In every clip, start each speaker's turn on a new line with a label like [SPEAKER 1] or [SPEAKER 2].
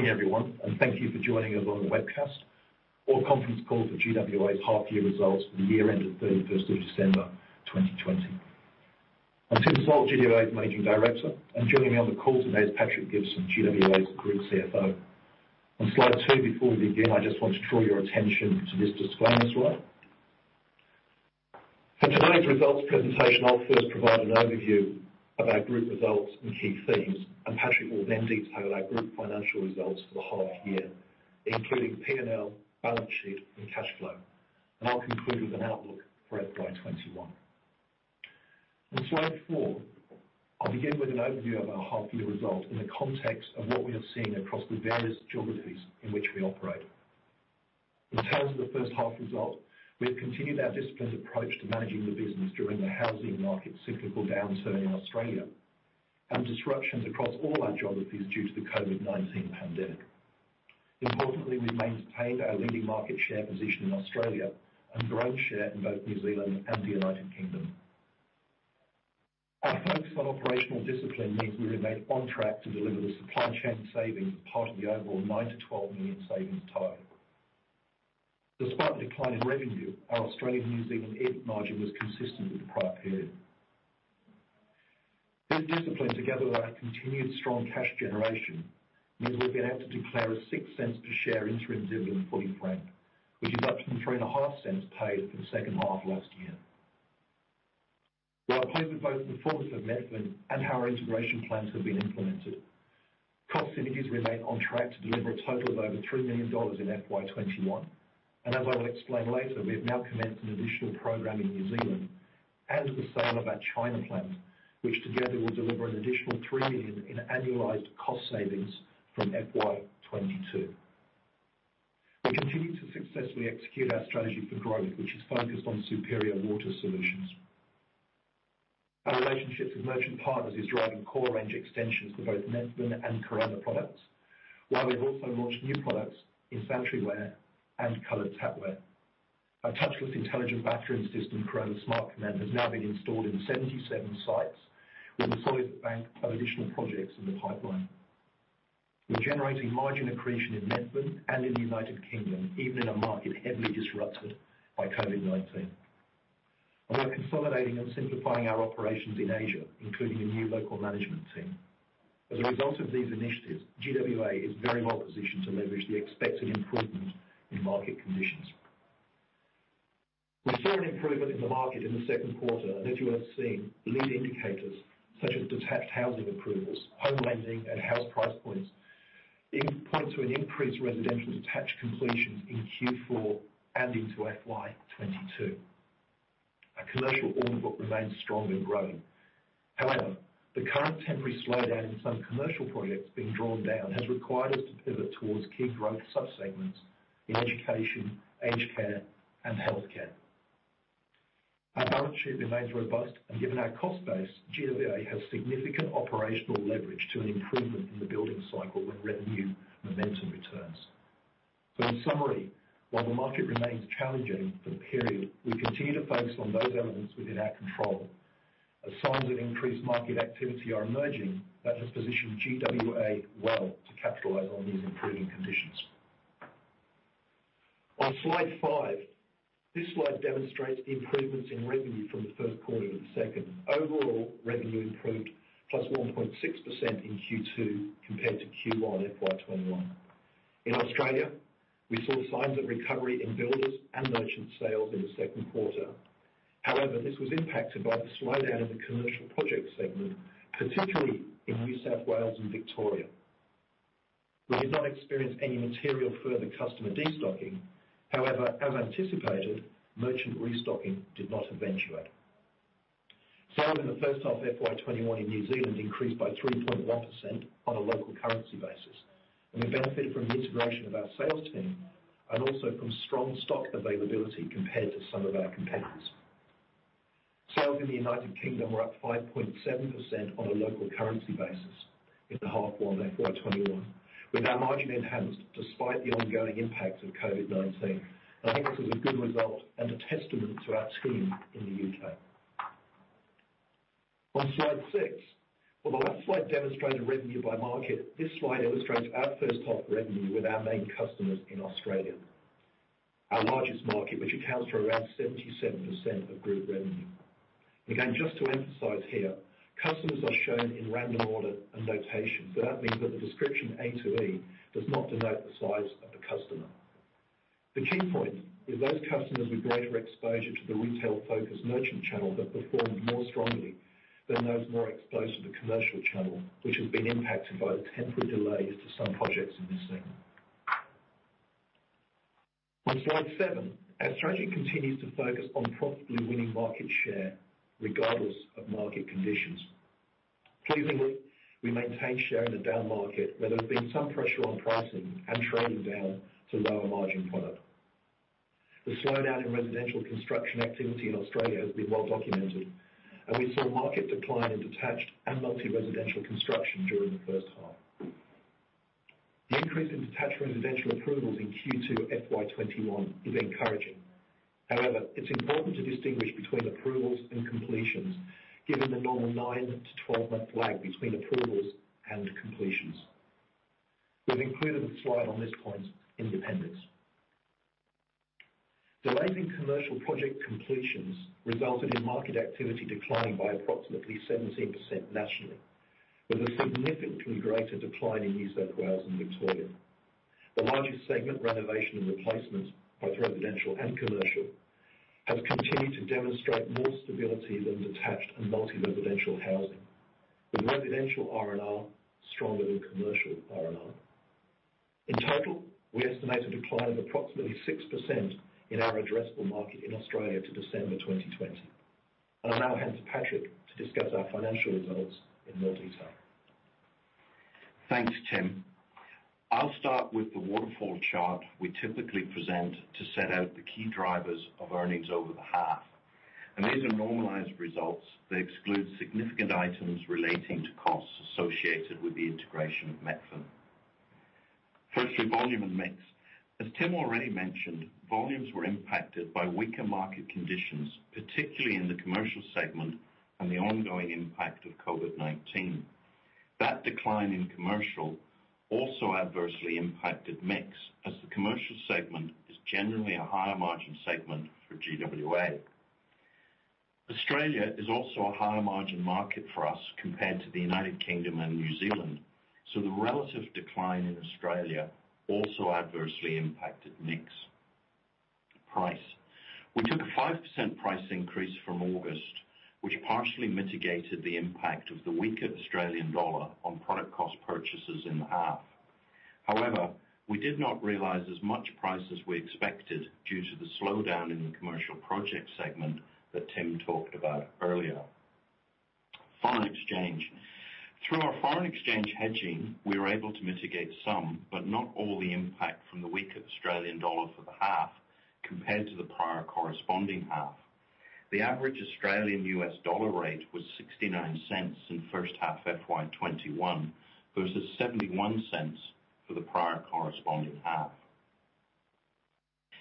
[SPEAKER 1] Morning everyone, thank you for joining us on the webcast or conference call for GWA's half year results for the year end of 31st of December 2020. I'm Tim Salt, GWA's Managing Director, joining me on the call today is Patrick Gibson, GWA's Group CFO. On slide two before we begin, I just want to draw your attention to this disclaimer slide. For tonight's results presentation, I'll first provide an overview of our group results and key themes, Patrick will then detail our group financial results for the half year, including P&L, balance sheet, and cash flow. I'll conclude with an outlook for FY 2021. On slide four, I'll begin with an overview of our half year results in the context of what we have seen across the various geographies in which we operate. In terms of the first half results, we have continued our disciplined approach to managing the business during the housing market cyclical downturn in Australia, and disruptions across all our geographies due to the COVID-19 pandemic. Importantly, we've maintained our leading market share position in Australia and grown share in both New Zealand and the United Kingdom. Our focus on operational discipline means we remain on track to deliver the supply chain savings as part of the overall 9 million-12 million savings target. Despite the decline in revenue, our Australian New Zealand EBIT margin was consistent with the prior period. This discipline, together with our continued strong cash generation, means we've been able to declare a 0.06 per share interim dividend, fully franked, which is up from AUD 0.035 paid for the second half last year. We are pleased with both the performance of Methven and how our integration plans have been implemented. Cost synergies remain on track to deliver a total of over 3 million dollars in FY 2021, and as I will explain later, we have now commenced an additional program in New Zealand and the sale of our China plant, which together will deliver an additional 3 million in annualized cost savings from FY 2022. We continue to successfully execute our strategy for growth, which is focused on superior water solutions. Our relationships with merchant partners is driving core range extensions for both Methven and Caroma products. While we've also launched new products in sanitary ware and colored tapware. Our touchless intelligent bathroom system, Caroma Smart Command, has now been installed in 77 sites with a solid bank of additional projects in the pipeline. We're generating margin accretion in Methven and in the United Kingdom, even in a market heavily disrupted by COVID-19. We're consolidating and simplifying our operations in Asia, including a new local management team. As a result of these initiatives, GWA is very well positioned to leverage the expected improvement in market conditions. We saw an improvement in the market in the second quarter, and as you have seen, lead indicators such as detached housing approvals, home lending, and house price points point to an increased residential detached completions in Q4 and into FY 2022. Our commercial order book remains strong and growing. However, the current temporary slowdown in some commercial projects being drawn down has required us to pivot towards key growth sub-segments in education, aged care, and healthcare. Our balance sheet remains robust, and given our cost base, GWA has significant operational leverage to an improvement in the building cycle when revenue momentum returns. In summary, while the market remains challenging for the period, we continue to focus on those elements within our control. As signs of increased market activity are emerging, that has positioned GWA well to capitalize on these improving conditions. On slide five, this slide demonstrates the improvements in revenue from the first quarter to the second. Overall revenue improved +1.6% in Q2 compared to Q1 FY 2021. In Australia, we saw signs of recovery in builders and merchant sales in the second quarter. However, this was impacted by the slowdown in the commercial project segment, particularly in New South Wales and Victoria. We did not experience any material further customer destocking, however, as anticipated, merchant restocking did not eventuate. Sales in the first half FY 2021 in New Zealand increased by 3.1% on a local currency basis, and we benefited from the integration of our sales team and also from strong stock availability compared to some of our competitors. Sales in the United Kingdom were up 5.7% on a local currency basis in the half one FY 2021, with our margin enhanced despite the ongoing impact of COVID-19. I think this is a good result and a testament to our team in the U.K. On slide six, while the last slide demonstrated revenue by market, this slide illustrates our first half revenue with our main customers in Australia, our largest market, which accounts for around 77% of group revenue. Again, just to emphasize here, customers are shown in random order and notation. That means that the description A to E does not denote the size of the customer. The key point is those customers with greater exposure to the retail-focused merchant channel have performed more strongly than those more exposed to the commercial channel, which has been impacted by the temporary delays to some projects in this segment. On slide seven, our strategy continues to focus on profitably winning market share regardless of market conditions. Pleasingly, we maintained share in a down market, where there has been some pressure on pricing and trading down to lower margin product. The slowdown in residential construction activity in Australia has been well documented, and we saw market decline in detached and multi-residential construction during the first half. The increase in detached residential approvals in Q2 FY 2021 is encouraging. However, it's important to distinguish between approvals and completions, given the normal nine to 12-month lag between approvals and completions. We've included a slide on this point in appendix. Delaying commercial project completions resulted in market activity decline by approximately 17% nationally, with a significantly greater decline in New South Wales and Victoria. The largest segment, renovation and replacements, both residential and commercial, have continued to demonstrate more stability than detached and multi-residential housing. The residential R&R is stronger than commercial R&R. In total, we estimate a decline of approximately 6% in our addressable market in Australia to December 2020. I'll now hand to Patrick to discuss our financial results in more detail.
[SPEAKER 2] Thanks, Tim. I'll start with the waterfall chart we typically present to set out the key drivers of earnings over the half. These are normalized results. They exclude significant items relating to costs associated with the integration of Methven. Firstly, volume and mix. As Tim already mentioned, volumes were impacted by weaker market conditions, particularly in the commercial segment and the ongoing impact of COVID-19. That decline in commercial also adversely impacted mix, as the commercial segment is generally a higher margin segment for GWA. Australia is also a higher margin market for us compared to the U.K. and New Zealand, so the relative decline in Australia also adversely impacted mix. Price. We took a 5% price increase from August, which partially mitigated the impact of the weaker Australian dollar on product cost purchases in the half. However, we did not realize as much price as we expected due to the slowdown in the commercial project segment that Tim talked about earlier. Foreign exchange. Through our foreign exchange hedging, we were able to mitigate some, but not all the impact from the weaker Australian dollar for the half compared to the prior corresponding half. The average Australian US dollar rate was $0.69 in first half FY 2021, versus $0.71 for the prior corresponding half.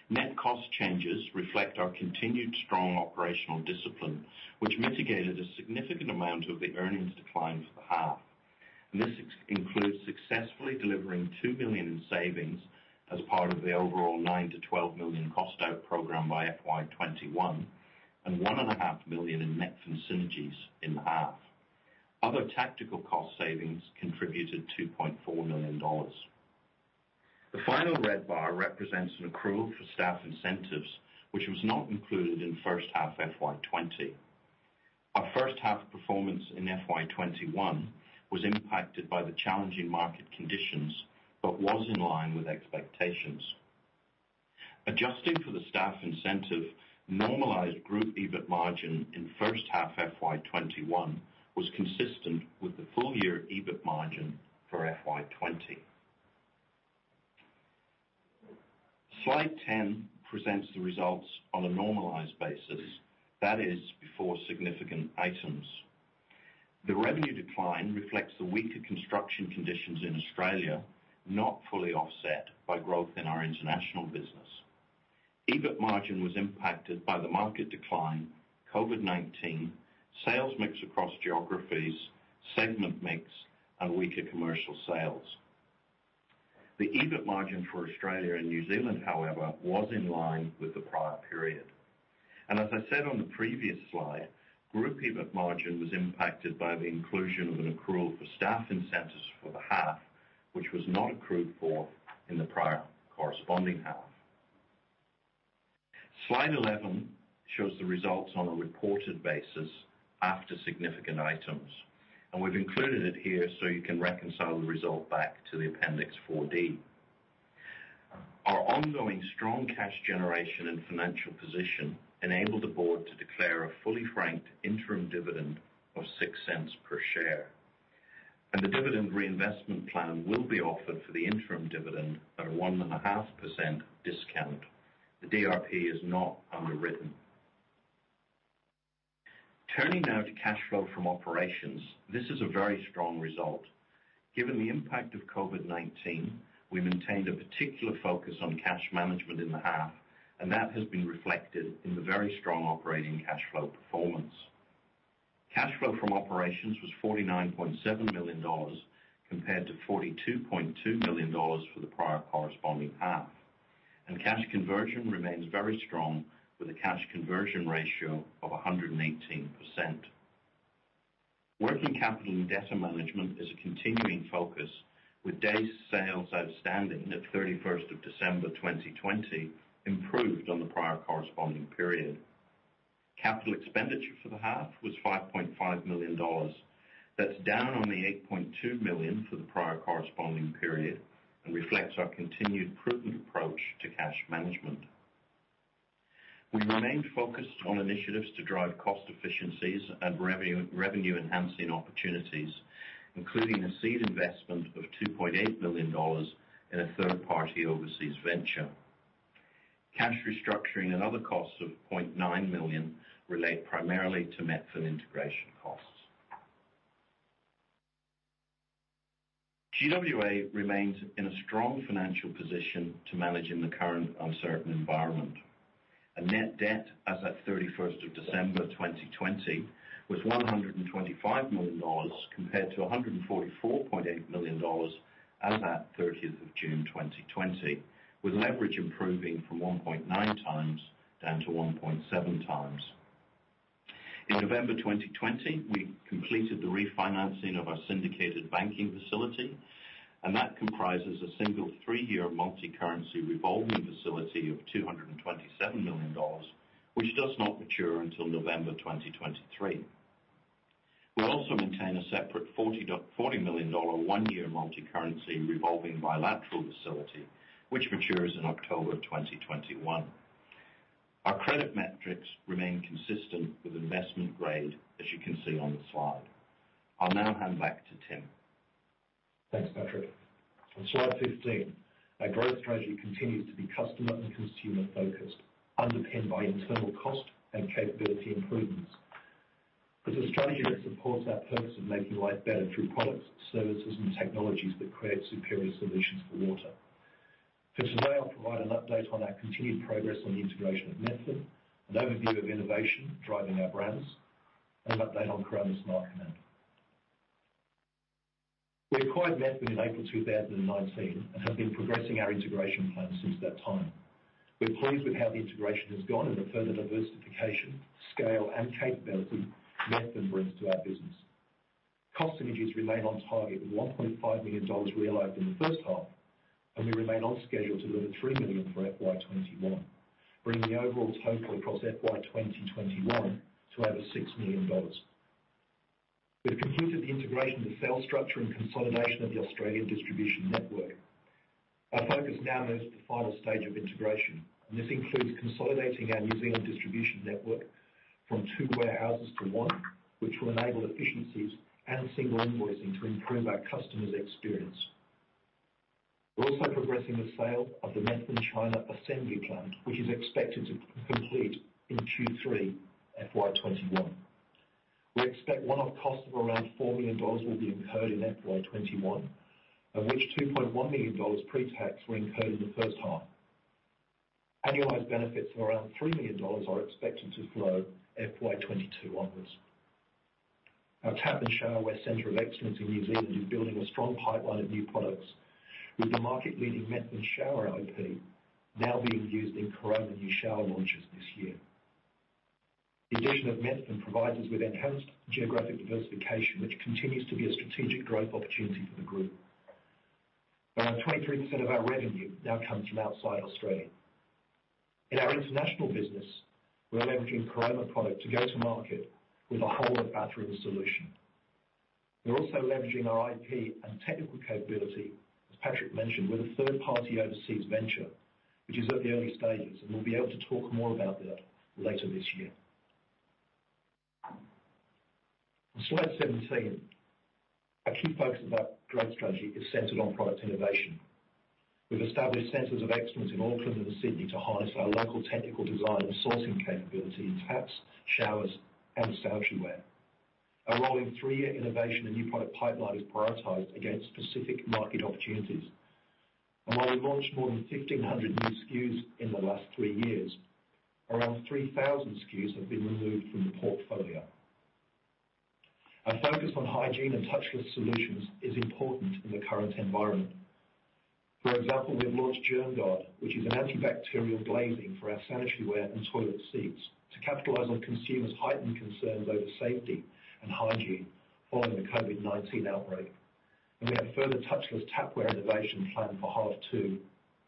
[SPEAKER 2] Net cost changes reflect our continued strong operational discipline, which mitigated a significant amount of the earnings decline for the half. This includes successfully delivering 2 million in savings as part of the overall 9 million-12 million cost out program by FY 2021, and 1.5 million in Methven synergies in the half. Other tactical cost savings contributed 2.4 million dollars. The final red bar represents an accrual for staff incentives, which was not included in first half FY 2020. Our first half performance in FY 2021 was impacted by the challenging market conditions but was in line with expectations. Adjusting for the staff incentive, normalized group EBIT margin in first half FY 2021 was consistent with the full year EBIT margin for FY 2020. Slide 10 presents the results on a normalized basis. That is, before significant items. The revenue decline reflects the weaker construction conditions in Australia, not fully offset by growth in our international business. EBIT margin was impacted by the market decline, COVID-19, sales mix across geographies, segment mix, and weaker commercial sales. The EBIT margin for Australia and New Zealand, however, was in line with the prior period. As I said on the previous slide, group EBIT margin was impacted by the inclusion of an accrual for staff incentives for the half, which was not accrued for in the prior corresponding half. Slide 11 shows the results on a reported basis after significant items, and we've included it here so you can reconcile the result back to the Appendix 4D. Our ongoing strong cash generation and financial position enabled the board to declare a fully franked interim dividend of 0.06 per share. The dividend reinvestment plan will be offered for the interim dividend at a 1.5% discount. The DRP is not underwritten. Turning now to cash flow from operations. This is a very strong result. Given the impact of COVID-19, we've maintained a particular focus on cash management in the half, and that has been reflected in the very strong operating cash flow performance. Cash flow from operations was 49.7 million dollars, compared to 42.2 million dollars for the prior corresponding half. Cash conversion remains very strong, with a cash conversion ratio of 118%. Working capital and debtor management is a continuing focus, with days sales outstanding at 31st of December 2020 improved on the prior corresponding period. Capital expenditure for the half was 5.5 million dollars. That's down on the 8.2 million for the prior corresponding period and reflects our continued prudent approach to cash management. We remained focused on initiatives to drive cost efficiencies and revenue-enhancing opportunities, including a seed investment of 2.8 million dollars in a third-party overseas venture. Cash restructuring and other costs of 0.9 million relate primarily to Methven integration costs. GWA remains in a strong financial position to manage in the current uncertain environment. A net debt as at 31st of December 2020 was 125 million dollars compared to 144.8 million dollars as at 30th of June 2020, with leverage improving from 1.9x down to 1.7x. In November 2020, we completed the refinancing of our syndicated banking facility. That comprises a single three-year multi-currency revolving facility of 227 million dollars, which does not mature until November 2023. We'll also maintain a separate AUD 40 million one-year multi-currency revolving bilateral facility, which matures in October of 2021. Our credit metrics remain consistent with investment grade, as you can see on the slide. I'll now hand back to Tim.
[SPEAKER 1] Thanks, Patrick. On slide 15, our growth strategy continues to be customer and consumer focused, underpinned by internal cost and capability improvements. It's a strategy that supports our purpose of making life better through products, services, and technologies that create superior solutions for water. Today, I'll provide an update on our continued progress on the integration of Methven, an overview of innovation driving our brands, and an update on Caroma Smart Command. We acquired Methven in April 2019 and have been progressing our integration plan since that time. We're pleased with how the integration has gone and the further diversification, scale, and capability Methven brings to our business. Cost synergies remain on target, with 1.5 million dollars realized in the first half, and we remain on schedule to deliver 3 million for FY 2021, bringing the overall total across FY 2021 to over 6 million dollars. We have completed the integration of the sales structure and consolidation of the Australian distribution network. Our focus now moves to the final stage of integration. This includes consolidating our New Zealand distribution network from two warehouses to one, which will enable efficiencies and single invoicing to improve our customers' experience. We're also progressing the sale of the Methven China assembly plant, which is expected to complete in Q3 FY 2021. We expect one-off costs of around AUD 4 million will be incurred in FY 2021, of which AUD 2.1 million pre-tax were incurred in the first half. Annualized benefits of around AUD 3 million are expected to flow FY 2022 onwards. Our Tap and Showerware Center of Excellence in New Zealand is building a strong pipeline of new products with the market-leading Methven Shower IP now being used in Caroma new shower launches this year. The addition of Methven provides us with enhanced geographic diversification, which continues to be a strategic growth opportunity for the group. Around 23% of our revenue now comes from outside Australia. In our international business, we're leveraging Caroma product to go to market with a whole of bathroom solution. We're also leveraging our IP and technical capability, as Patrick mentioned, with a third-party overseas venture, which is at the early stages, and we'll be able to talk more about that later this year. On slide 17, our key focus of our growth strategy is centered on product innovation. We've established centers of excellence in Auckland and Sydney to harness our local technical design and sourcing capability in taps, showers, and sanitary ware. Our rolling three-year innovation and new product pipeline is prioritized against specific market opportunities. While we've launched more than 1,500 new SKUs in the last three years, around 3,000 SKUs have been removed from the portfolio. Our focus on hygiene and touchless solutions is important in the current environment. For example, we've launched GermGard, which is an antibacterial glazing for our sanitary ware and toilet seats to capitalize on consumers' heightened concerns over safety and hygiene following the COVID-19 outbreak. We have further touchless tapware innovation planned for H2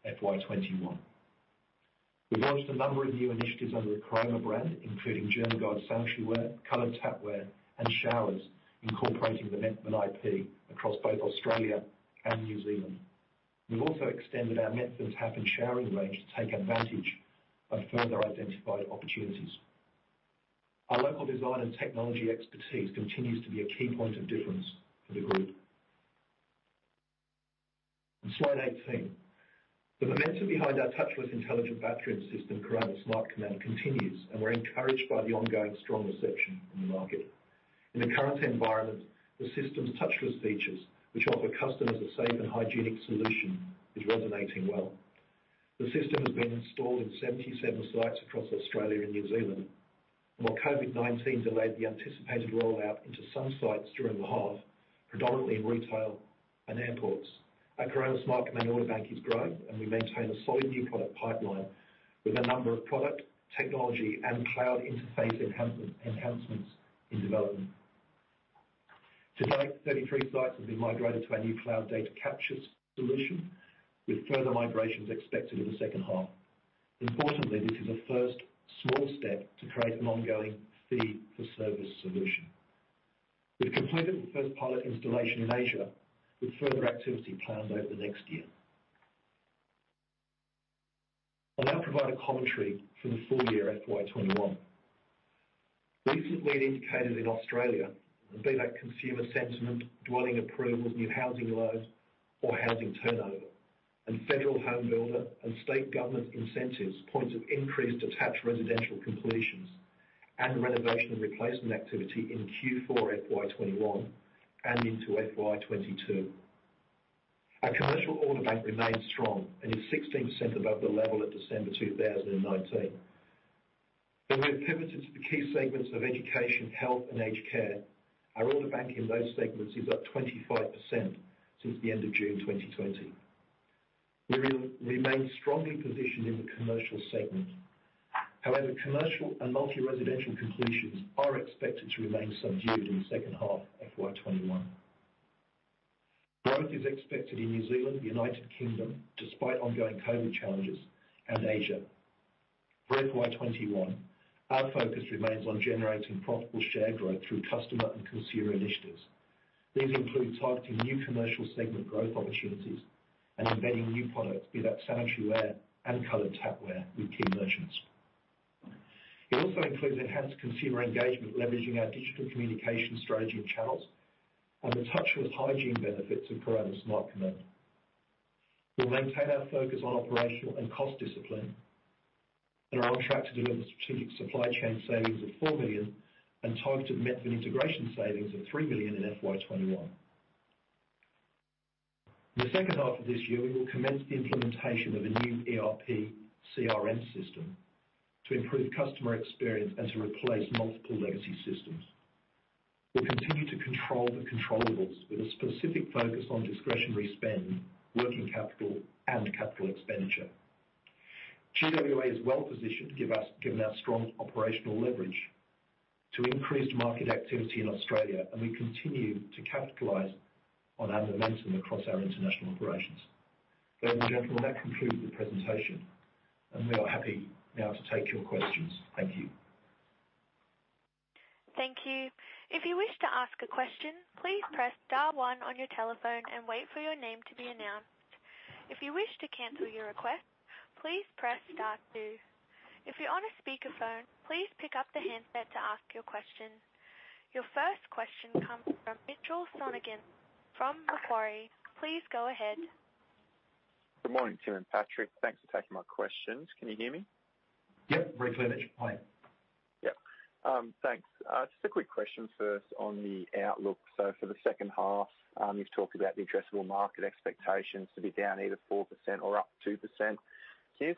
[SPEAKER 1] FY 2021. We've launched a number of new initiatives under the Caroma brand, including GermGard sanitary ware, colored tapware, and showers incorporating the Methven IP across both Australia and New Zealand. We've also extended our Methven tap and showering range to take advantage of further identified opportunities. Our local design and technology expertise continues to be a key point of difference for the group. On slide 18. The momentum behind our touchless intelligent bathroom system, Caroma Smart Command, continues, and we're encouraged by the ongoing strong reception in the market. In the current environment, the system's touchless features, which offer customers a safe and hygienic solution, is resonating well. The system has been installed in 77 sites across Australia and New Zealand. While COVID-19 delayed the anticipated rollout into some sites during the half, predominantly in retail and airports, our Caroma Smart Command order bank is growing, and we maintain a solid new product pipeline with a number of product, technology, and cloud interface enhancements in development. To date, 33 sites have been migrated to our new cloud data capture solution, with further migrations expected in the second half. Importantly, this is a first small step to create an ongoing fee-for-service solution. We've completed the first pilot installation in Asia, with further activity planned over the next year. I'll now provide a commentary for the full year FY 2021. Recent lead indicators in Australia, be that consumer sentiment, dwelling approvals, new housing loans or housing turnover and HomeBuilder and state government incentives point to increased detached residential completions and renovation and replacement activity in Q4 FY 2021 and into FY 2022. Our commercial order bank remains strong and is 16% above the level at December 2019. Though we have pivoted to the key segments of education, health, and aged care, our order bank in those segments is up 25% since the end of June 2020. We remain strongly positioned in the commercial segment. However, commercial and multi-residential completions are expected to remain subdued in the second half of FY 2021. Growth is expected in New Zealand, the U.K., despite ongoing COVID challenges, and Asia. For FY 2021, our focus remains on generating profitable share growth through customer and consumer initiatives. These include targeting new commercial segment growth opportunities and embedding new products, be that sanitary ware and colored tapware with key merchants. It also includes enhanced consumer engagement, leveraging our digital communication strategy and channels, and the touch-free hygiene benefits of Caroma Smart Command. We'll maintain our focus on operational and cost discipline and are on track to deliver strategic supply chain savings of 4 million and targeted Methven integration savings of 3 million in FY 2021. In the second half of this year, we will commence the implementation of a new ERP/CRM system to improve customer experience and to replace multiple legacy systems. We'll continue to control the controllables with a specific focus on discretionary spend, working capital, and capital expenditure. GWA is well-positioned, given our strong operational leverage to increased market activity in Australia, and we continue to capitalize on our momentum across our international operations. Ladies and gentlemen, that concludes the presentation, and we are happy now to take your questions. Thank you.
[SPEAKER 3] Thank you. If you wish to ask a question, please press star one on your telephone and wait for your name to be announced. If you wish to cancel your request, please press star two. If you're on a speakerphone, please pick up the handset to ask your question. Your first question comes from Mitchell Sonogan from Macquarie. Please go ahead.
[SPEAKER 4] Good morning, Tim and Patrick. Thanks for taking my questions. Can you hear me?
[SPEAKER 1] Yep. Very clearly, Mitch. Go ahead.
[SPEAKER 4] Yeah. Thanks. Just a quick question first on the outlook. For the second half, you've talked about the addressable market expectations to be down either 4% or up 2%. Can you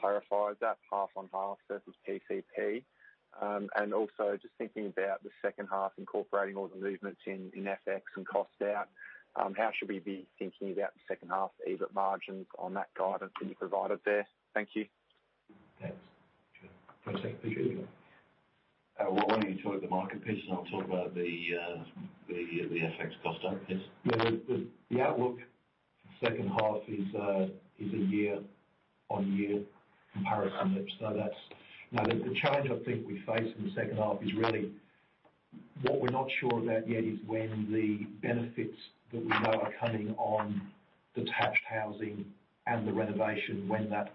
[SPEAKER 4] clarify is that half-on-half versus PCP? Also just thinking about the second half incorporating all the movements in FX and cost out, how should we be thinking about the second half EBIT margins on that guidance that you provided there? Thank you.
[SPEAKER 1] Thanks. Do you want to take that, Patrick?
[SPEAKER 2] Well, why don't you talk the market piece and I'll talk about the FX cost out piece.
[SPEAKER 1] Yeah. The outlook second half is a year-over-year comparison, Mitch. The change I think we face in the second half is really what we're not sure about yet is when the benefits that we know are coming on detached housing and the renovation, when that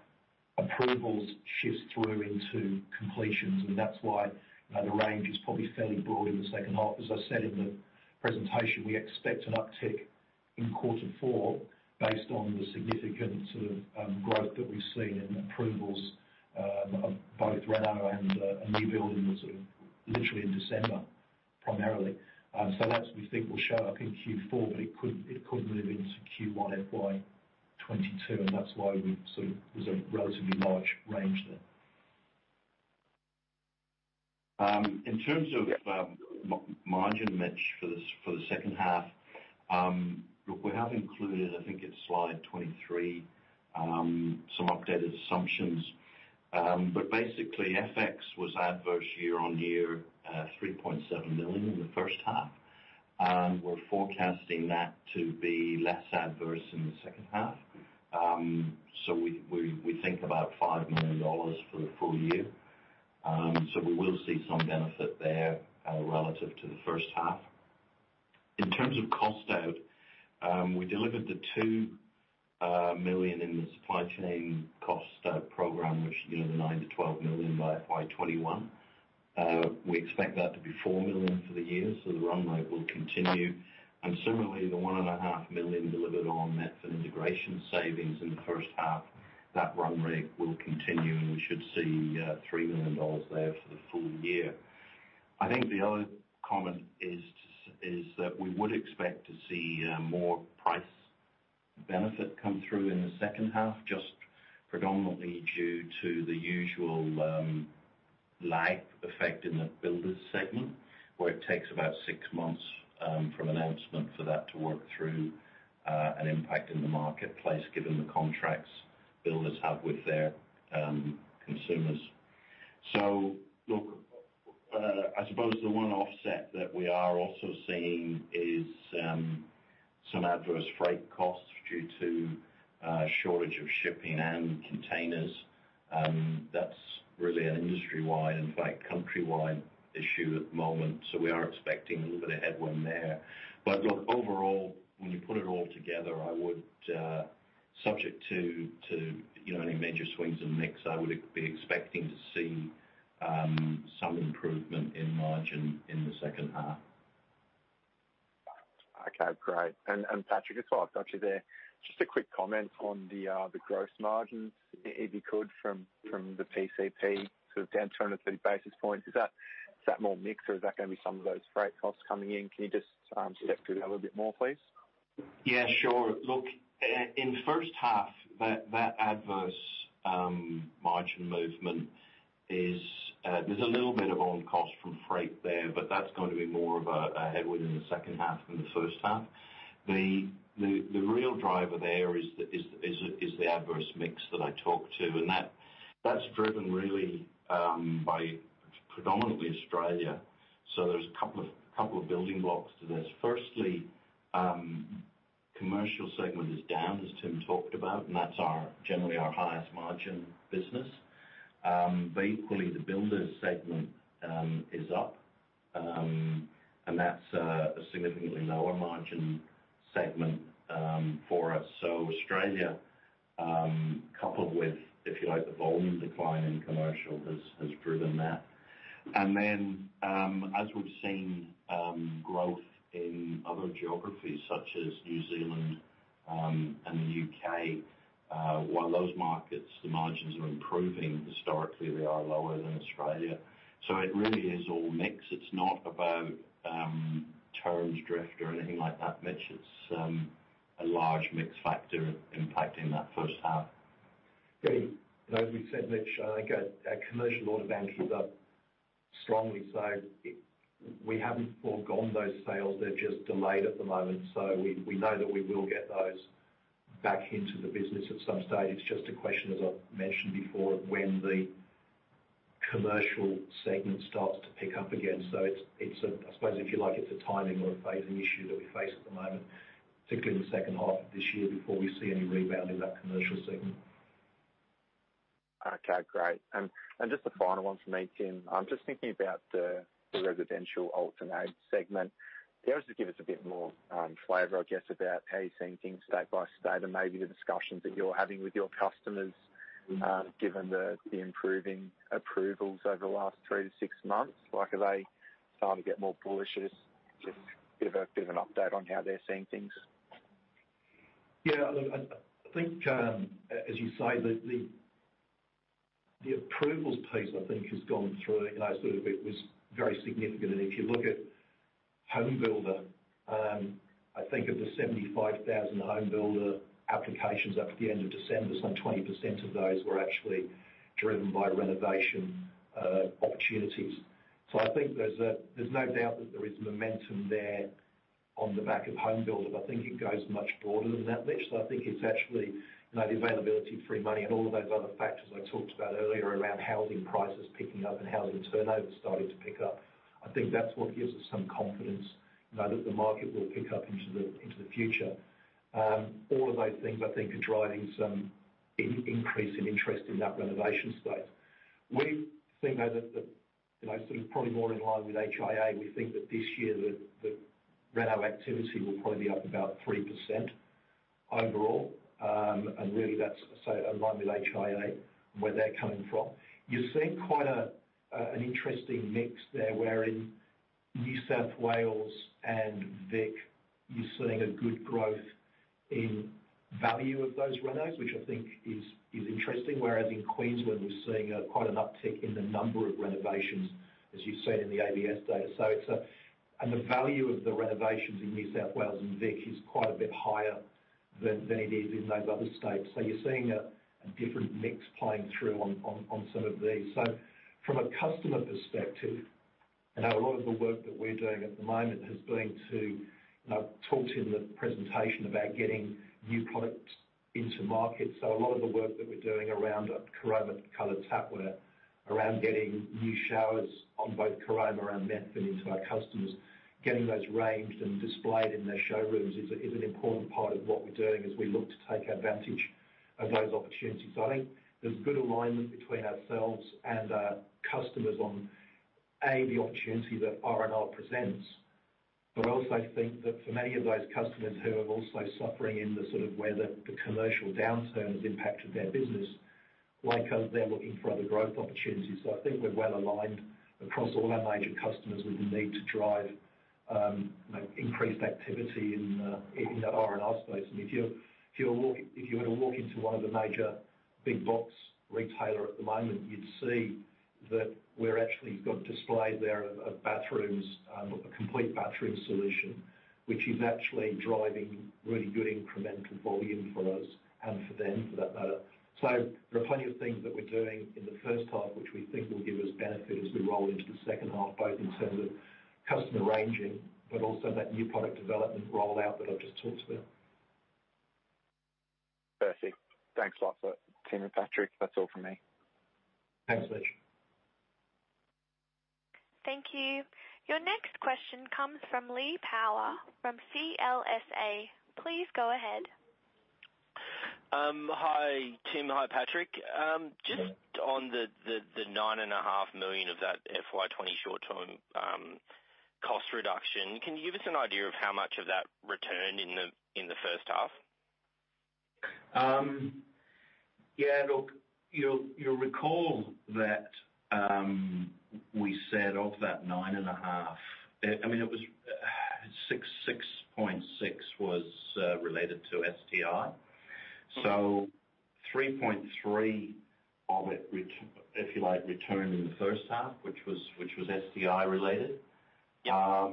[SPEAKER 1] approvals shift through into completions, and that's why the range is probably fairly broad in the second half. As I said in the presentation, we expect an uptick in quarter four based on the significant sort of growth that we've seen in approvals of both reno and new buildings literally in December, primarily. That, we think, will show up in Q4, but it could move into Q1 FY 2022, and that's why there's a relatively large range there.
[SPEAKER 2] In terms of margin, Mitch, for the second half. Look, we have included, I think it's slide 23, some updated assumptions. Basically, FX was adverse year-on-year, 3.7 million in the first half. We are forecasting that to be less adverse in the second half. We think about 5 million dollars for the full year. We will see some benefit there relative to the first half. In terms of cost out, we delivered the 2 million in the supply chain cost out program, which is 9 million-12 million by FY 2021. We expect that to be 4 million for the year, the run rate will continue. Similarly, the 1.5 million delivered on Methven integration savings in the first half, that run rate will continue, and we should see 3 million dollars there for the full year. I think the other comment is that we would expect to see more price benefit come through in the second half, just predominantly due to the usual lag effect in the builders segment, where it takes about six months from announcement for that to work through an impact in the marketplace given the contracts builders have with their consumers. Look, I suppose the one offset that we are also seeing is some adverse freight costs due to a shortage of shipping and containers. That's really an industry-wide, in fact, country-wide issue at the moment. We are expecting a little bit of headwind there. Look, overall, when you put it all together, subject to any major swings in mix, I would be expecting to see some improvement in margin in the second half.
[SPEAKER 4] Okay, great. Patrick, just while I've got you there, just a quick comment on the gross margins, if you could, from the PCP down 23 basis points. Is that more mix or is that going to be some of those freight costs coming in? Can you just step through that a little bit more, please?
[SPEAKER 2] Sure. Look, in the first half, that adverse margin movement, there's a little bit of on cost from freight there, but that's going to be more of a headwind in the second half than the first half. The real driver there is the adverse mix that I talked to, that's driven really by predominantly Australia. There's a couple of building blocks to this. Firstly, commercial segment is down, as Tim talked about, and that's generally our highest margin business. Equally, the builders segment is up, and that's a significantly lower margin segment for us. Australia, coupled with, if you like, the volume decline in commercial, has driven that. Then as we've seen growth in other geographies such as New Zealand and the U.K., while those markets, the margins are improving, historically they are lower than Australia. It really is all mix. It's not about terms drift or anything like that, Mitch. It's a large mix factor impacting that first half.
[SPEAKER 1] As we said, Mitch, I think our commercial order bank is up strongly, so we haven't forgone those sales. They're just delayed at the moment. We know that we will get those back into the business at some stage. It's just a question, as I've mentioned before, of when the commercial segment starts to pick up again. I suppose if you like, it's a timing or a phasing issue that we face at the moment, particularly in the second half of this year before we see any rebound in that commercial segment.
[SPEAKER 4] Okay, great. Just the final one from me, Tim. I'm just thinking about the residential alterations segment. Be able to give us a bit more flavor, I guess, about how you're seeing things state by state and maybe the discussions that you're having with your customers, given the improving approvals over the last three to six months. Like are they starting to get more bullish? Just a bit of an update on how they're seeing things.
[SPEAKER 1] Look, I think, as you say, the approvals piece, I think, has gone through a sort of. It was very significant. If you look at HomeBuilder, I think of the 75,000 HomeBuilder applications up to the end of December, some 20% of those were actually driven by renovation opportunities. I think there's no doubt that there is momentum there on the back of HomeBuilder. I think it goes much broader than that, Mitch. I think it's actually the availability of free money and all of those other factors I talked about earlier around housing prices picking up and housing turnover starting to pick up. All of those things, I think, are driving some increase in interest in that renovation space. We think that, probably more in line with HIA, we think that this year the reno activity will probably be up about 3% overall. Really that's in line with HIA, where they're coming from. You're seeing quite an interesting mix there, where in New South Wales and Vic, you're seeing a good growth in value of those renos, which I think is interesting. Whereas in Queensland, we're seeing quite an uptick in the number of renovations, as you've seen in the ABS data. The value of the renovations in New South Wales and Vic is quite a bit higher than it is in those other states. You're seeing a different mix playing through on some of these. From a customer perspective, I know a lot of the work that we're doing at the moment has been to talk to in the presentation about getting new products into market. A lot of the work that we're doing around a Caroma colored tapware, around getting new showers on both Caroma and Methven into our customers, getting those ranged and displayed in their showrooms is an important part of what we're doing as we look to take advantage of those opportunities. I think there's good alignment between ourselves and our customers on A, the opportunity that R&R presents. I also think that for many of those customers who are also suffering in the sort of where the commercial downturn has impacted their business, like us, they're looking for other growth opportunities. I think we're well aligned across all our major customers with the need to drive increased activity in the R&R space. If you were to walk into one of the major big box retailer at the moment, you'd see that we're actually got a display there of bathrooms, a complete bathroom solution, which is actually driving really good incremental volume for us and for them, for that matter. There are plenty of things that we're doing in the first half, which we think will give us benefit as we roll into the second half, both in terms of customer ranging, but also that new product development rollout that I've just talked about.
[SPEAKER 4] Perfect. Thanks a lot, Tim and Patrick. That's all from me.
[SPEAKER 1] Thanks, Mitch.
[SPEAKER 3] Thank you. Your next question comes from Lee Power from CLSA. Please go ahead.
[SPEAKER 5] Hi, Tim. Hi, Patrick. Just on the 9.5 million of that FY 2020 short-term cost reduction, can you give us an idea of how much of that returned in the first half?
[SPEAKER 1] Yeah. Look, you'll recall that we said of that 9.5 million, it was 6.6 million was related to STI. 3.3 million of it, if you like, returned in the first half, which was STI related.
[SPEAKER 5] Yeah.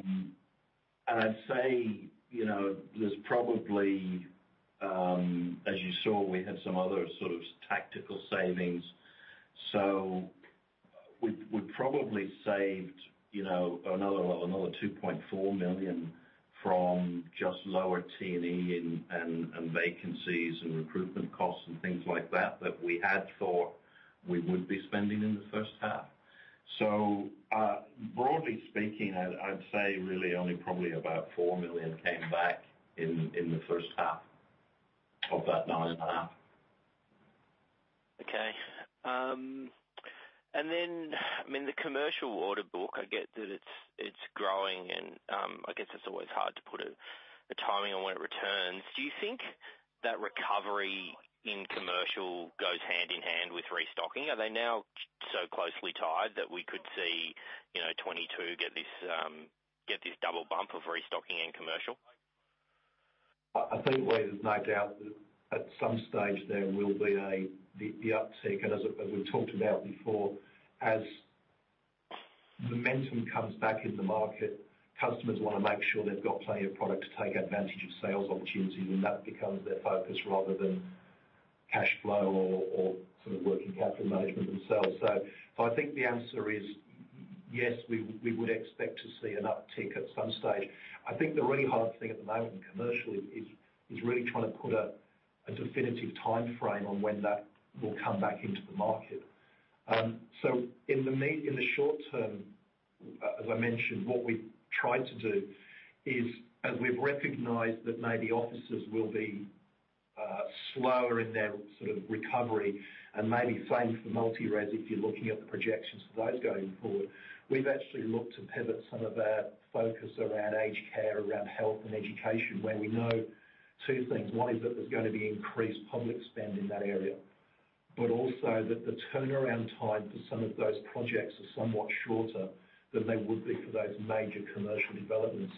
[SPEAKER 1] I'd say, there's probably, as you saw, we had some other tactical savings. We probably saved another 2.4 million from just lower T&E and vacancies and recruitment costs and things like that we had thought we would be spending in the first half. Broadly speaking, I'd say really only probably about 4 million came back in the first half of that 9.5 million.
[SPEAKER 5] Okay. The commercial order book, I get that it's growing and I guess it's always hard to put a timing on when it returns. Do you think that recovery in commercial goes hand in hand with restocking? Are they now so closely tied that we could see 2022 get this double bump of restocking and commercial?
[SPEAKER 1] I think, Lee, there's no doubt that at some stage there will be the uptick. As we've talked about before, as momentum comes back in the market, customers want to make sure they've got plenty of product to take advantage of sales opportunities, and that becomes their focus rather than cash flow or working capital management themselves. I think the answer is yes, we would expect to see an uptick at some stage. I think the really hard thing at the moment in commercial is really trying to put a definitive timeframe on when that will come back into the market. In the short term, as I mentioned, what we've tried to do is, as we've recognized that maybe offices will be slower in their recovery and maybe same for multi-res, if you're looking at the projections for those going forward. We've actually looked to pivot some of our focus around aged care, around health and education, where we know two things. One is that there's going to be increased public spend in that area, but also that the turnaround time for some of those projects are somewhat shorter than they would be for those major commercial developments.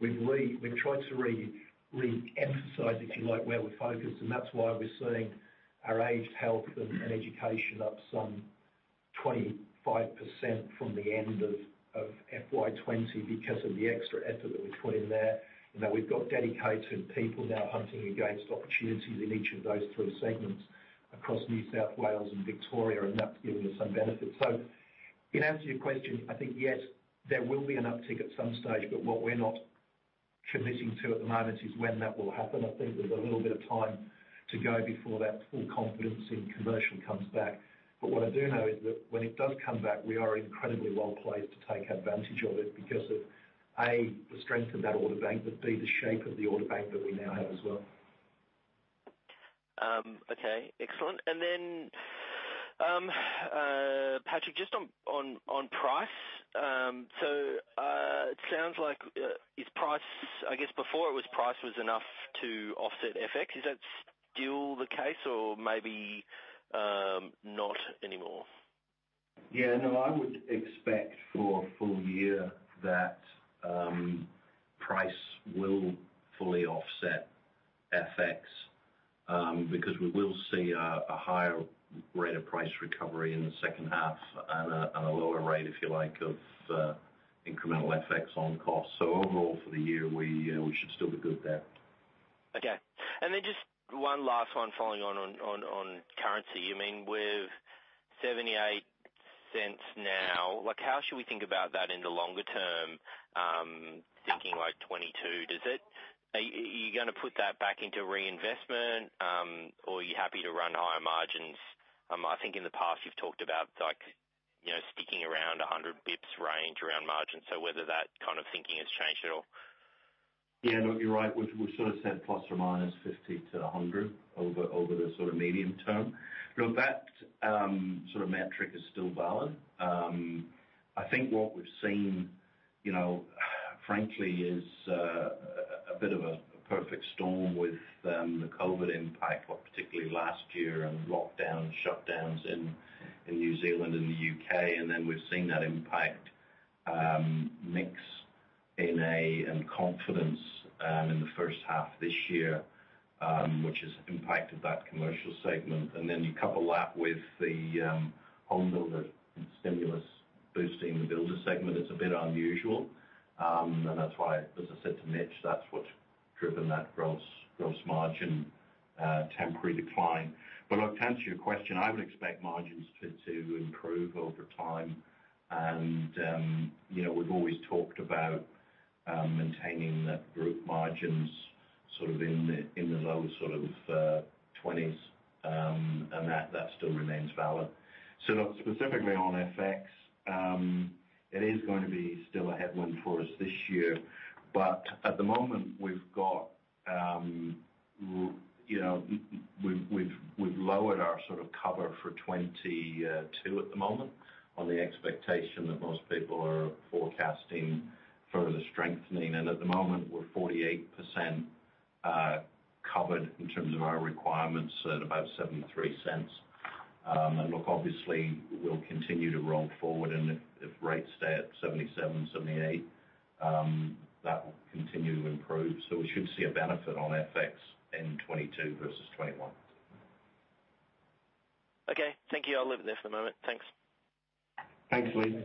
[SPEAKER 1] We've tried to re-emphasize, if you like, where we're focused, and that's why we're seeing our aged health and education up some 25% from the end of FY 2020 because of the extra effort that we put in there, and that we've got dedicated people now hunting against opportunities in each of those three segments across New South Wales and Victoria, and that's giving us some benefits. In answer to your question, I think yes, there will be an uptick at some stage, but what we're not committing to at the moment is when that will happen. I think there's a little bit of time to go before that full confidence in commercial comes back. What I do know is that when it does come back, we are incredibly well placed to take advantage of it because of, A, the strength of that order bank, but B, the shape of the order bank that we now have as well.
[SPEAKER 5] Okay, excellent. Patrick, just on price. It sounds like, I guess before it was price was enough to offset FX. Is that still the case or maybe not anymore?
[SPEAKER 2] Yeah, no, I would expect for full year that price will fully offset FX, because we will see a higher rate of price recovery in the second half and a lower rate, if you like, of incremental FX on costs. Overall for the year, we should still be good there.
[SPEAKER 5] Okay. Just one last one following on currency. You mean with $0.78 now, how should we think about that in the longer term, thinking FY 2022? Are you going to put that back into reinvestment or are you happy to run higher margins? I think in the past you've talked about sticking around 100 basis points range around margins. Whether that kind of thinking has changed at all.
[SPEAKER 2] No, you're right. We've said ±50 basis points to 100 basis points over the medium term. Look, that metric is still valid. I think what we've seen frankly, is a bit of a perfect storm with the COVID impact, particularly last year and lockdowns, shutdowns in New Zealand and the U.K. We've seen that impact and confidence in the first half this year, which has impacted that commercial segment. You couple that with the HomeBuilder and stimulus boosting the builder segment. It's a bit unusual. That's why, as I said to Mitch, that's what's driven that gross margin temporary decline. Look, to answer your question, I would expect margins to improve over time. We've always talked about maintaining that group margins in the low 20s, and that still remains valid. Look, specifically on FX, it is going to be still a headwind for us this year, but at the moment we've lowered our cover for FY 2022 on the expectation that most people are forecasting further strengthening. At the moment we're 48% hedged in terms of our requirements at about 0.73. Look, obviously, we'll continue to roll forward and if rates stay at 0.77, 0.78, that will continue to improve. We should see a benefit on FX in FY 2022 versus FY 2021.
[SPEAKER 5] Okay. Thank you. I'll leave it there for the moment. Thanks.
[SPEAKER 1] Thanks, Lee.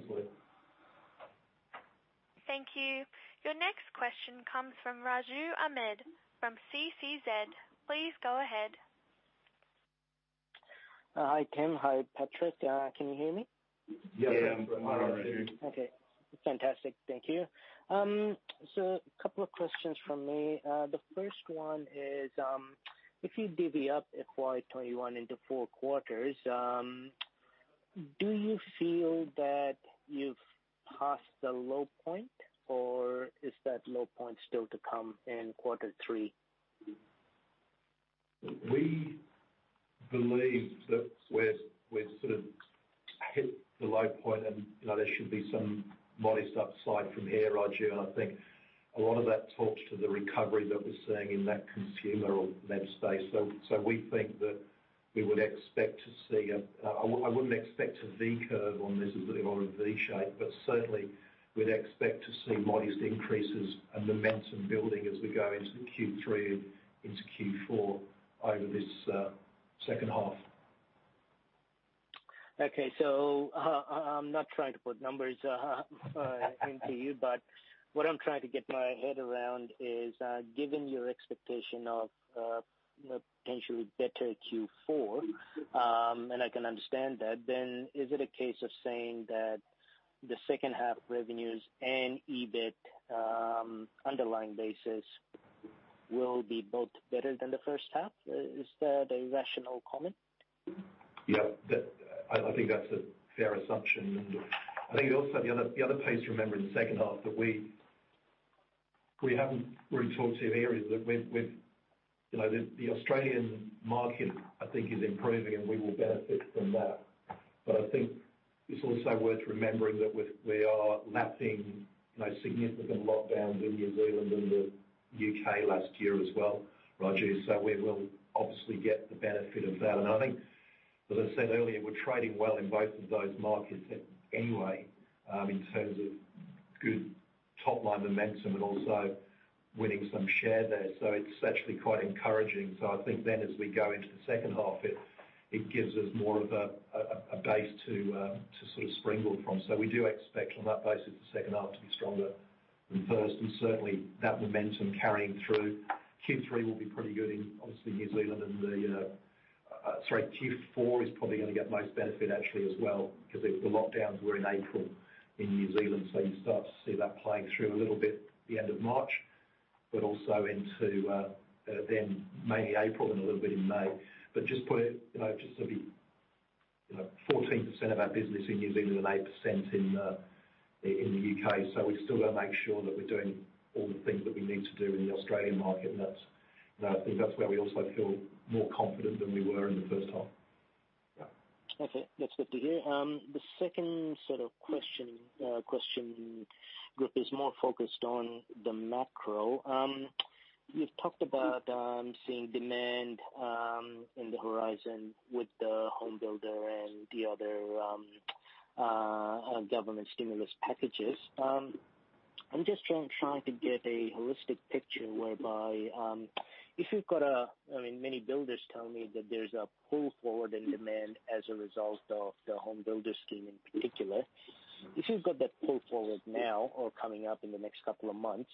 [SPEAKER 3] Thank you. Your next question comes from Raju Ahmed from CCZ. Please go ahead.
[SPEAKER 6] Hi, Tim. Hi, Patrick. Can you hear me?
[SPEAKER 2] Yeah. We can hear you.
[SPEAKER 6] Okay. Fantastic. Thank you. A couple of questions from me. The first one is, if you divvy up FY 2021 into four quarters, do you feel that you've passed the low point, or is that low point still to come in Q3?
[SPEAKER 1] We believe that we've sort of hit the low point and there should be some modest upside from here, Raju, and I think a lot of that talks to the recovery that we're seeing in that consumer or med space. We think that we would expect to see a I wouldn't expect a V curve on this or a V shape, but certainly, we'd expect to see modest increases and momentum building as we go into Q3 and into Q4 over this second half.
[SPEAKER 6] I'm not trying to put numbers into you, but what I'm trying to get my head around is, given your expectation of a potentially better Q4, and I can understand that, is it a case of saying that the second half revenues and EBIT underlying basis will be both better than the first half? Is that a rational comment?
[SPEAKER 1] Yeah. I think that's a fair assumption. I think also the other piece to remember in the second half that we haven't really talked to yet, the Australian market, I think, is improving, and we will benefit from that. I think it's also worth remembering that we are lapping significant lockdowns in New Zealand and the U.K. last year as well, Raju. We will obviously get the benefit of that. I think, as I said earlier, we're trading well in both of those markets anyway, in terms of good top-line momentum and also winning some share there. It's actually quite encouraging. I think then as we go into the second half, it gives us more of a base to springboard from. We do expect on that basis, the second half to be stronger than first, and certainly that momentum carrying through. Q3 will be pretty good in obviously New Zealand and the Sorry, Q4 is probably going to get most benefit actually as well because the lockdowns were in April in New Zealand, so you start to see that playing through a little bit at the end of March, but also into then mainly April and a little bit in May. Just to be 14% of our business in New Zealand and 8% in the U.K., so we've still got to make sure that we're doing all the things that we need to do in the Australian market, and I think that's where we also feel more confident than we were in the first half. Yeah.
[SPEAKER 6] Okay. That's good to hear. The second question group is more focused on the macro. You've talked about seeing demand in the horizon with the HomeBuilder and the other government stimulus packages. I'm just trying to get a holistic picture whereby, if you've got Many builders tell me that there's a pull forward in demand as a result of the HomeBuilder scheme in particular. If you've got that pull forward now or coming up in the next couple of months,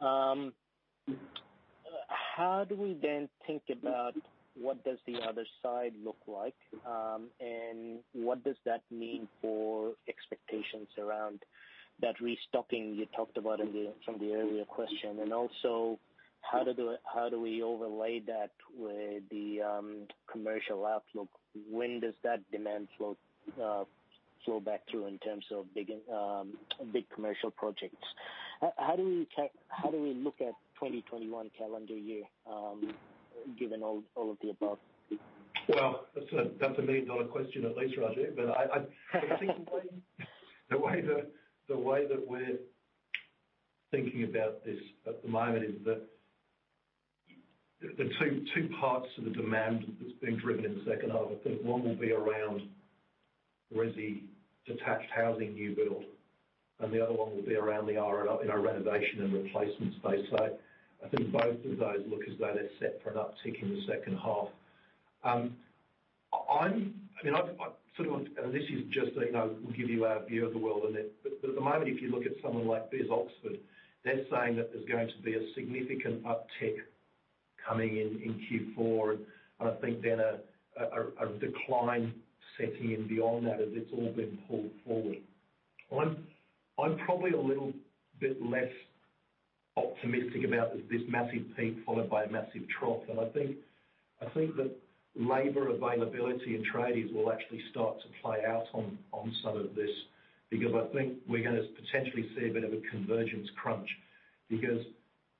[SPEAKER 6] how do we then think about what does the other side look like? What does that mean for expectations around that restocking you talked about from the earlier question? How do we overlay that with the commercial outlook? When does that demand flow back through in terms of big commercial projects? How do we look at 2021 calendar year given all of the above?
[SPEAKER 1] Well, that's a million-dollar question at least, Raju. I think the way that we're thinking about this at the moment is that there are two parts to the demand that's being driven in the second half. I think one will be around resi detached housing new build, and the other one will be around in our renovation and replacement space. I think both of those look as though they're set for an uptick in the second half. This is just we'll give you our view of the world and that, but at the moment, if you look at someone like BIS Oxford, they're saying that there's going to be a significant uptick coming in in Q4, and I think then a decline setting in beyond that as it's all been pulled forward. I'm probably a little bit less optimistic about this massive peak followed by a massive trough. I think that labor availability and tradies will actually start to play out on some of this because I think we're going to potentially see a bit of a convergence crunch because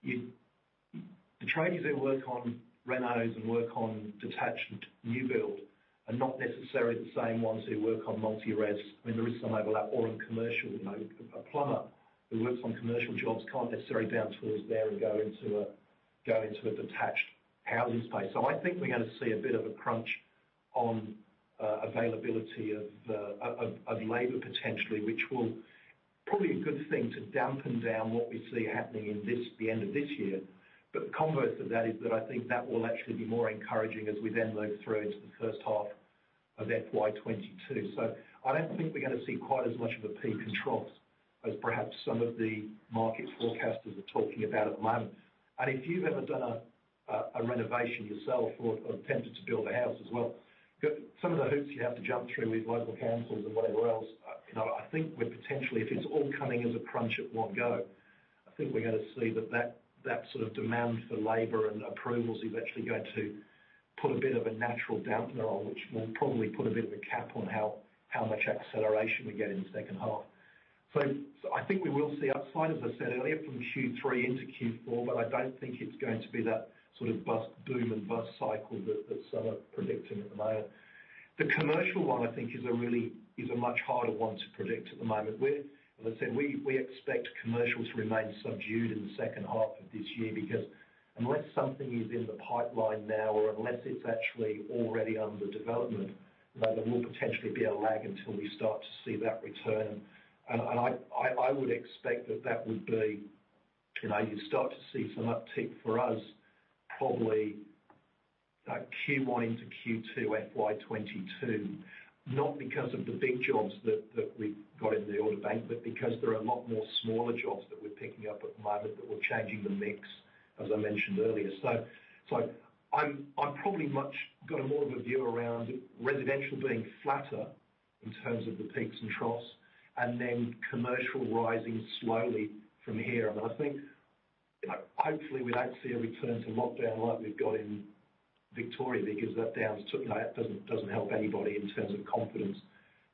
[SPEAKER 1] the tradies that work on renos and work on detached new builds are not necessarily the same ones who work on multi-res. There is some overlap or in commercial, a plumber who works on commercial jobs can't necessarily down tools there and go into a detached housing space. I think we're going to see a bit of a crunch on availability of labor potentially, which will probably a good thing to dampen down what we see happening in the end of this year. The converse of that is that I think that will actually be more encouraging as we then move through into the first half of FY 2022. I don't think we're going to see quite as much of a peak and trough as perhaps some of the market forecasters are talking about at the moment. If you've ever done a renovation yourself or attempted to build a house as well, some of the hoops you have to jump through with local councils and whatever else, I think we're potentially, if it's all coming as a crunch at one go, I think we're going to see that sort of demand for labor and approvals is actually going to put a bit of a natural dampener on, which will probably put a bit of a cap on how much acceleration we get in the second half. I think we will see upside, as I said earlier, from Q3 into Q4, but I don't think it's going to be that sort of boom and bust cycle that some are predicting at the moment. The commercial one, I think, is a much harder one to predict at the moment. As I said, we expect commercial to remain subdued in the second half of this year, because unless something is in the pipeline now or unless it's actually already under development, there will potentially be a lag until we start to see that return. I would expect that you start to see some uptick for us probably Q1 into Q2 FY 2022, not because of the big jobs that we've got in the order bank, but because there are a lot more smaller jobs that we're picking up at the moment that we're changing the mix, as I mentioned earlier. I've probably much got more of a view around residential being flatter in terms of the peaks and troughs, and then commercial rising slowly from here. I think, hopefully, we don't see a return to lockdown like we've got in Victoria, because that doesn't help anybody in terms of confidence.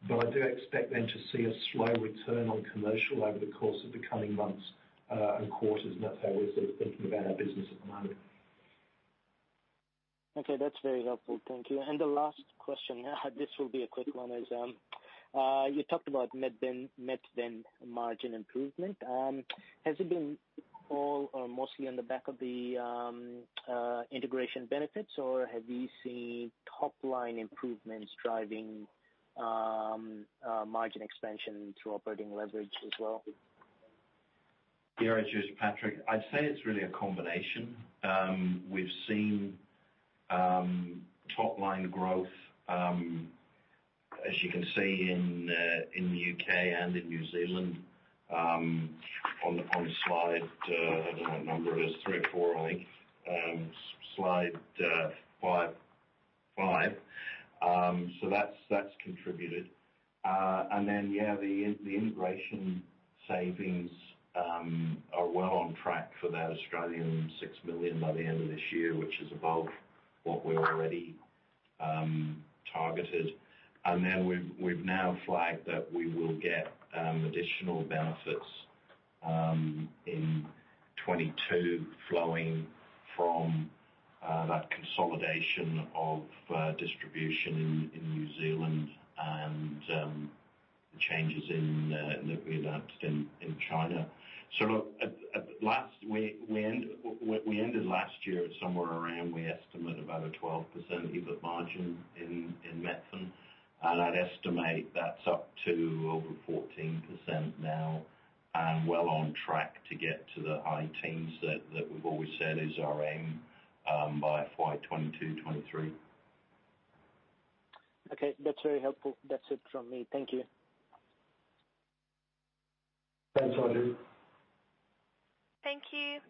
[SPEAKER 1] I do expect then to see a slow return on commercial over the course of the coming months and quarters, and that's how we're sort of thinking about our business at the moment.
[SPEAKER 6] Okay, that's very helpful. Thank you. The last question, this will be a quick one, is you talked about Methven margin improvement. Has it been all or mostly on the back of the integration benefits, or have you seen top-line improvements driving margin expansion through operating leverage as well?
[SPEAKER 2] Yeah, it's you, Patrick. I'd say it's really a combination. We've seen top-line growth, as you can see in the U.K. and in New Zealand on slide, I don't know what number it is, three or four, I think. Slide five. That's contributed. The integration savings are well on track for that 6 million by the end of this year, which is above what we already targeted. We've now flagged that we will get additional benefits in 2022 flowing from that consolidation of distribution in New Zealand and changes that we announced in China. We ended last year at somewhere around, we estimate, about a 12% EBIT margin in Methven, and I'd estimate that's up to over 14% now and well on track to get to the high teens that we've always said is our aim by FY 2022, 2023.
[SPEAKER 6] Okay, that's very helpful. That's it from me. Thank you.
[SPEAKER 2] Thanks, Raju.
[SPEAKER 3] Thank you.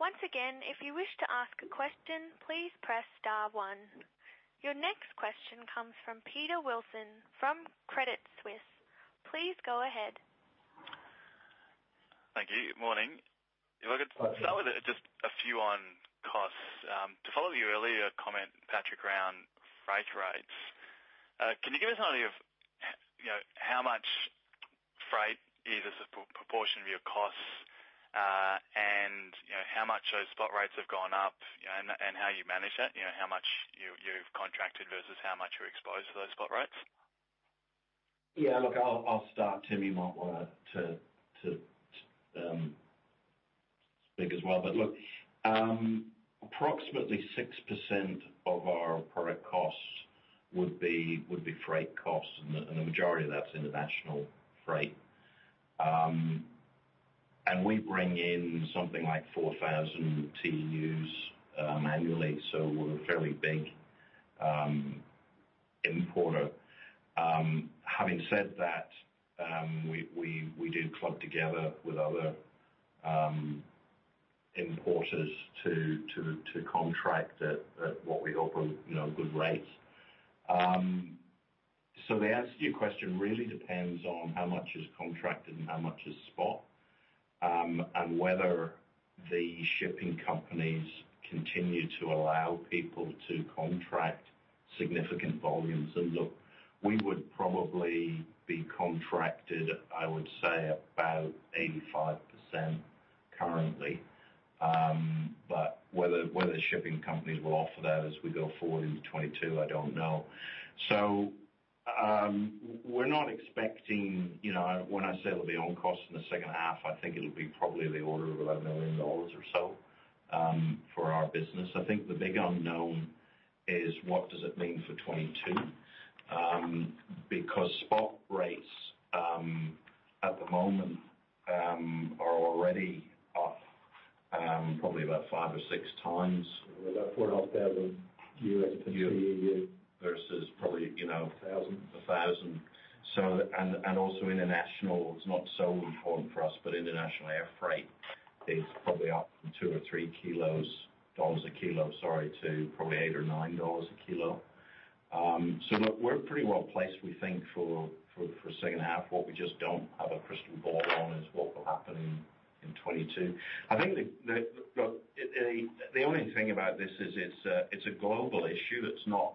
[SPEAKER 3] Once again, if you wish to ask a question, please press star one. Your next question comes from Peter Wilson from Credit Suisse. Please go ahead.
[SPEAKER 7] Thank you. Morning.
[SPEAKER 1] Morning
[SPEAKER 7] start with just a few on costs. To follow your earlier comment, Patrick, around freight rates, can you give us an idea of how much freight is as a proportion of your costs, and how much those spot rates have gone up and how you manage that? How much you've contracted versus how much you're exposed to those spot rates?
[SPEAKER 2] Yeah, look, I'll start. Tim, you might want to speak as well. Look, approximately 6% of our product costs would be freight costs, and the majority of that's international freight. We bring in something like 4,000 TEUs annually, so we're a fairly big importer. Having said that, we do club together with other importers to contract at what we hope are good rates. The answer to your question really depends on how much is contracted and how much is spot, and whether the shipping companies continue to allow people to contract significant volumes in We would probably be contracted, I would say about 85% currently. Whether shipping companies will offer that as we go forward into FY 2022, I don't know. When I say there'll be own costs in the second half, I think it'll be probably in the order of 11 million dollars or so for our business. I think the big unknown is what does it mean for FY 2022? Spot rates at the moment are already up probably about 5x or 6x.
[SPEAKER 1] We're about 4,500 to TEU.
[SPEAKER 2] Versus probably-
[SPEAKER 1] 1,000.
[SPEAKER 2] 1,000. International, it's not so important for us, but international air freight is probably up from 2 or 3 dollars a kilo, to probably 8 or 9 dollars a kilo. We're pretty well-placed, we think, for second half. What we just don't have a crystal ball on is what will happen in 2022. The only thing about this is it's a global issue. It's not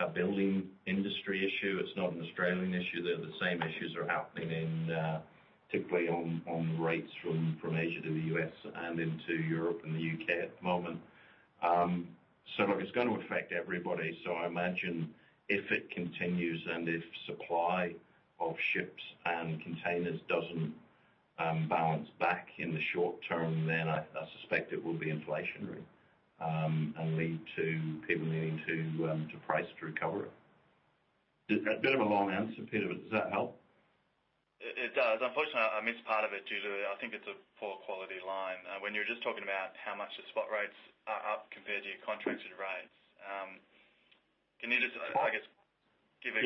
[SPEAKER 2] a building industry issue. It's not an Australian issue. They're the same issues are happening in, particularly on the rates from Asia to the U.S. and into Europe and the U.K. at the moment. It's going to affect everybody. I imagine if it continues and if supply of ships and containers doesn't balance back in the short term, then I suspect it will be inflationary, and lead to people needing to price to recover it. A bit of a long answer, Peter, but does that help?
[SPEAKER 7] It does. Unfortunately, I missed part of it due to, I think it's a poor quality line. When you were just talking about how much the spot rates are up compared to your contracted rates. Can you just, I guess give?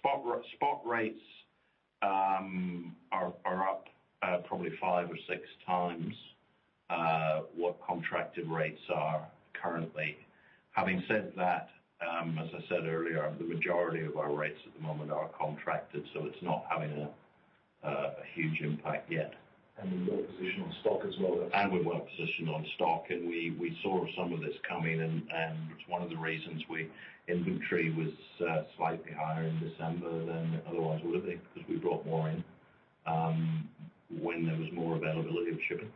[SPEAKER 2] Spot rates are up probably 5x or 6x what contracted rates are currently. Having said that, as I said earlier, the majority of our rates at the moment are contracted, so it's not having a huge impact yet.
[SPEAKER 1] We're well-positioned on stock as well. We're well-positioned on stock. We saw some of this coming and it's one of the reasons we Inventory was slightly higher in December than it otherwise would have been because we brought more in when there was more availability of shipping.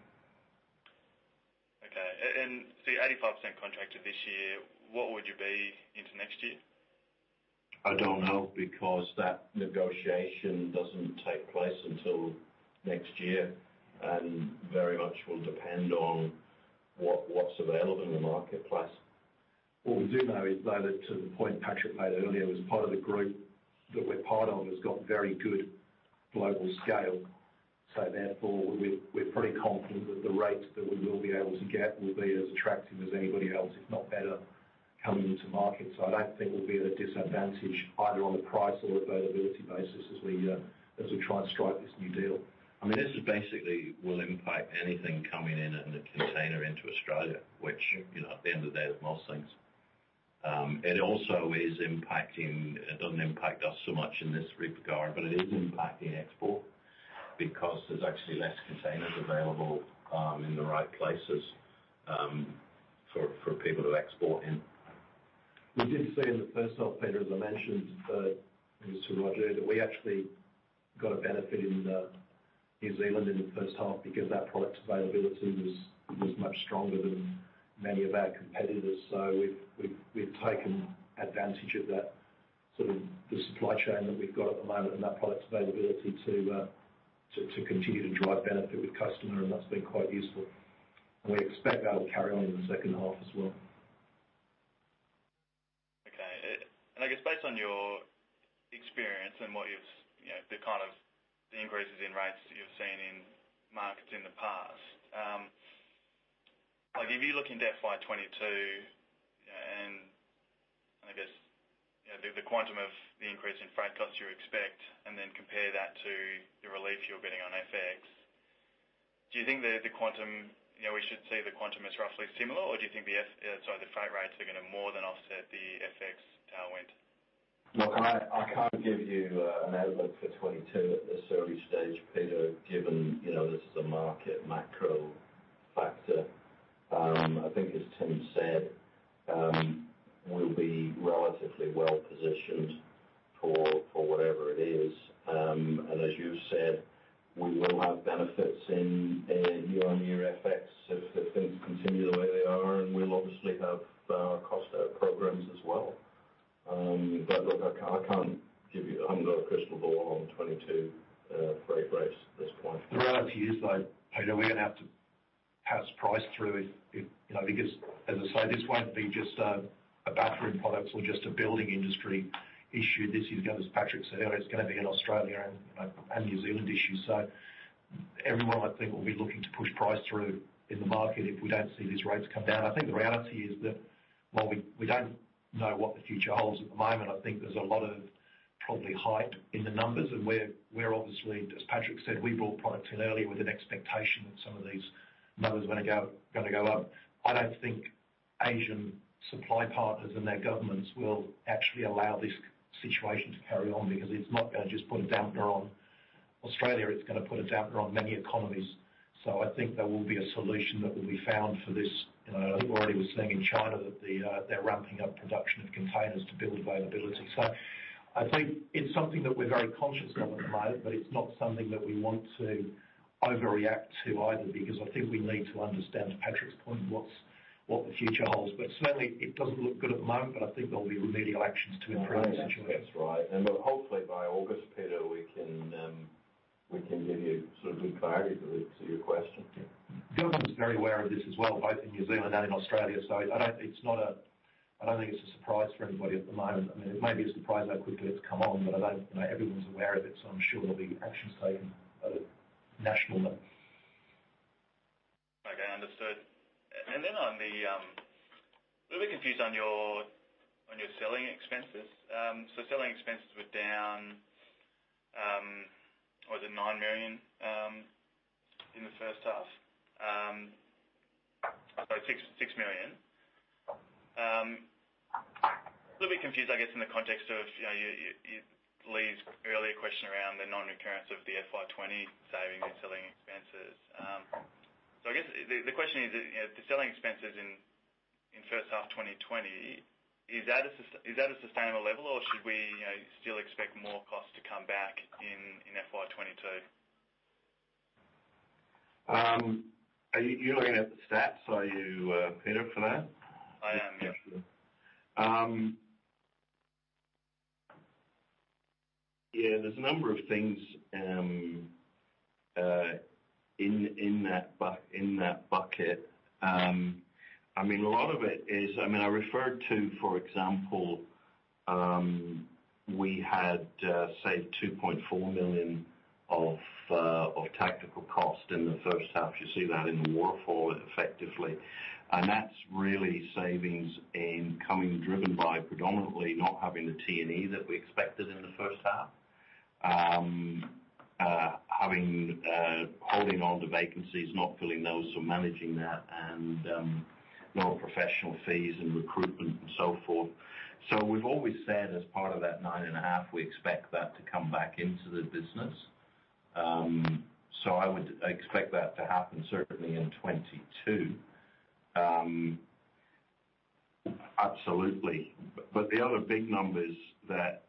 [SPEAKER 7] Okay. 85% contracted this year. What would you be into next year?
[SPEAKER 2] I don't know because that negotiation doesn't take place until next year, and very much will depend on what's available in the marketplace.
[SPEAKER 1] What we do know is, though, that to the point Patrick made earlier was part of the group that we're part of has got very good global scale. Therefore, we're pretty confident that the rates that we will be able to get will be as attractive as anybody else, if not better, coming into market. I don't think we'll be at a disadvantage either on a price or availability basis as we try and strike this new deal.
[SPEAKER 2] I mean, this basically will impact anything coming in in a container into Australia, which, at the end of the day, is most things. It also is impacting, it does not impact us so much in this regard, but it is impacting export because there is actually less containers available in the right places for people to export in.
[SPEAKER 1] We did see in the first half, Peter, as I mentioned to Raju, that we actually got a benefit in New Zealand in the first half because our product availability was much stronger than many of our competitors. We've taken advantage of that, sort of the supply chain that we've got at the moment and that product's availability to continue to drive benefit with customer, and that's been quite useful. We expect that'll carry on in the second half as well.
[SPEAKER 7] Okay. I guess based on your experience and the increases in rates that you've seen in markets in the past, if you're looking to FY 2022 and the quantum of the increase in freight costs you expect, and then compare that to the relief you're getting on FX, do you think that we should see the quantum as roughly similar, or do you think the, sorry, the freight rates are going to more than offset the FX tailwind?
[SPEAKER 2] I can't give you an outlook for 2022 at this early stage, Peter, given this is a market macro factor. I think as Tim said, we'll be relatively well-positioned for whatever it is. As you've said, we will have benefits in year-on-year FX if things continue the way they are, and we'll obviously have our cost out programs as well. I haven't got a crystal ball on 2022 freight rates at this point.
[SPEAKER 1] The reality is, though, Peter, we're going to have to pass price through because as I say, this won't be just a bathroom products or just a building industry issue. This is, as Patrick said earlier, it's going to be an Australia and New Zealand issue. Everyone, I think, will be looking to push price through in the market if we don't see these rates come down. I think the reality is that while we don't know what the future holds at the moment, I think there's a lot of probably hype in the numbers and we're obviously, as Patrick said, we brought products in early with an expectation that some of these numbers were going to go up. I don't think Asian supply partners and their governments will actually allow this situation to carry on because it's not going to just put a dampener on Australia, it's going to put a dampener on many economies. I think there will be a solution that will be found for this. We're already seeing in China that they're ramping up production of containers to build availability. I think it's something that we're very conscious of at the moment, but it's not something that we want to overreact to either, because I think we need to understand, to Patrick's point, what the future holds. Certainly it doesn't look good at the moment, but I think there'll be remedial actions to improve the situation.
[SPEAKER 2] I think that's right. Hopefully by August, Peter, we can give you good clarity to your question.
[SPEAKER 1] Government is very aware of this as well, both in New Zealand and in Australia. I don't think it's a surprise for anybody at the moment. I mean, it may be a surprise how quickly it's come on, but everyone's aware of it, so I'm sure there'll be actions taken at a national level.
[SPEAKER 7] Okay, understood. I'm a little bit confused on your selling expenses. Selling expenses were down, was it 9 million in the first half? Sorry, 6 million. A little bit confused, I guess, in the context of Lee's earlier question around the non-recurrence of the FY 2020 saving and selling expenses. I guess the question is, the selling expenses in first half 2020, is that a sustainable level or should we still expect more cost to come back in FY 2022?
[SPEAKER 2] You're looking at the stats, are you, Peter, for that?
[SPEAKER 7] I am, yeah.
[SPEAKER 2] Yeah, sure. Yeah, there's a number of things in that bucket. I referred to, for example, we had saved 2.4 million of tactical cost in the first half. You see that in the waterfall effectively. That's really savings coming driven by predominantly not having the T&E that we expected in the first half. Holding onto vacancies, not filling those, so managing that and no professional fees and recruitment and so forth. We've always said as part of that 9.5 million, we expect that to come back into the business. I expect that to happen certainly in 2022. Absolutely. The other big numbers that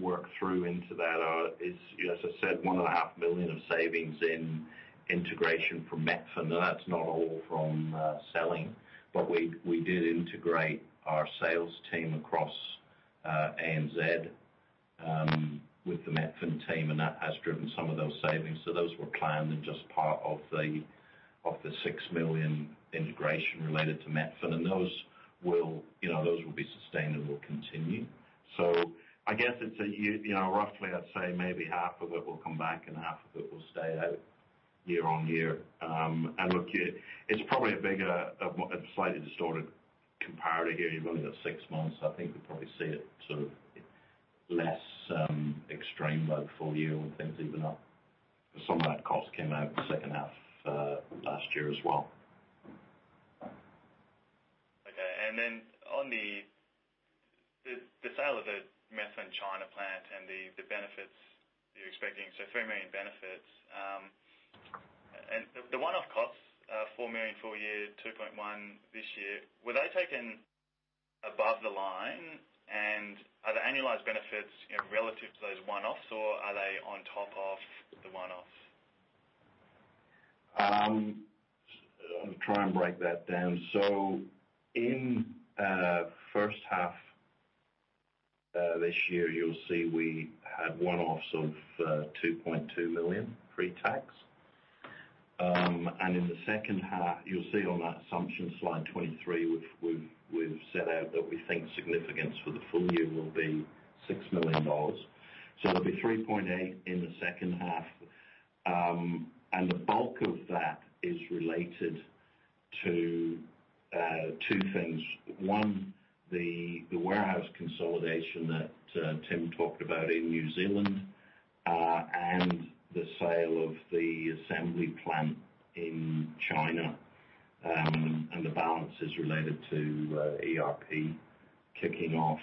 [SPEAKER 2] work through into that are, as I said, 1.5 million of savings in integration from Methven. That's not all from selling, but we did integrate our sales team across ANZ with the Methven team, and that has driven some of those savings. Those were planned and just part of the 6 million integration related to Methven. Those will be sustainable and continue. I guess roughly I'd say maybe half of it will come back and half of it will stay out year on year. Look, it's probably a slightly distorted comparator here. You've only got six months. I think we'll probably see it less extreme though full year when things even up.
[SPEAKER 1] Some of that cost came out in the second half last year as well.
[SPEAKER 7] Okay. On the sale of the Methven China plant and the benefits you're expecting, 3 million benefits. The one-off costs are 4 million full year, 2.1 million this year. Were they taken above the line? Are the annualized benefits relative to those one-offs or are they on top of the one-offs?
[SPEAKER 2] I'll try and break that down. In first half this year, you'll see we had one-offs of 2.2 million pre-tax. In the second half, you'll see on that assumption, slide 23, we've set out that we think significance for the full year will be 6 million dollars. It'll be 3.8 million in the second half. The bulk of that is related to two things. One, the warehouse consolidation that Tim talked about in New Zealand, and the sale of the assembly plant in China, and the balances related to ERP kicking off.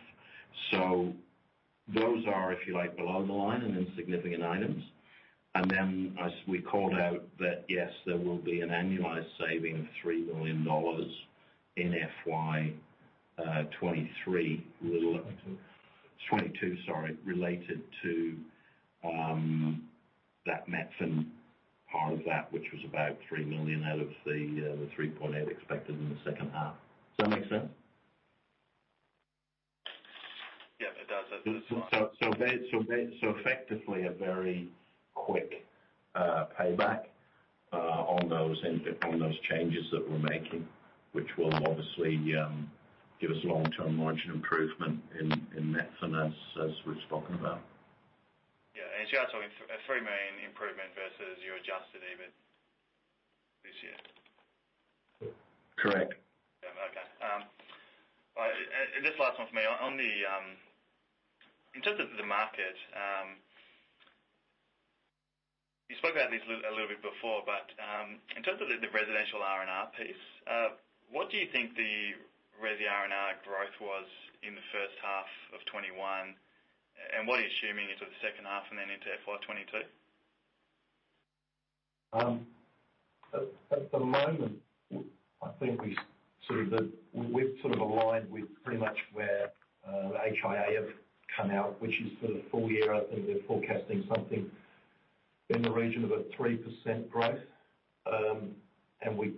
[SPEAKER 2] Those are, if you like, below the line and insignificant items. Then as we called out that, yes, there will be an annualized saving of 3 million dollars in FY 2023 related- FY 2022, sorry, related to that Methven part of that, which was about 3 million out of the 3.8 million expected in the second half. Does that make sense?
[SPEAKER 7] Yeah, it does. That's fine.
[SPEAKER 2] Effectively a very quick payback on those changes that we're making, which will obviously give us long-term margin improvement in Methven as we've spoken about.
[SPEAKER 7] Yeah. You're talking a 3 million improvement versus your adjusted EBIT this year?
[SPEAKER 2] Correct.
[SPEAKER 7] Yeah. Okay. This is the last one from me. In terms of the market, you spoke about this a little bit before, but in terms of the residential R&R piece, what do you think the res R&R growth was in the first half of FY 2021, and what are you assuming into the second half and then into FY 2022?
[SPEAKER 1] At the moment, we've aligned with pretty much where HIA have come out, which is for the full year, I think they're forecasting something in the region of a 3% growth.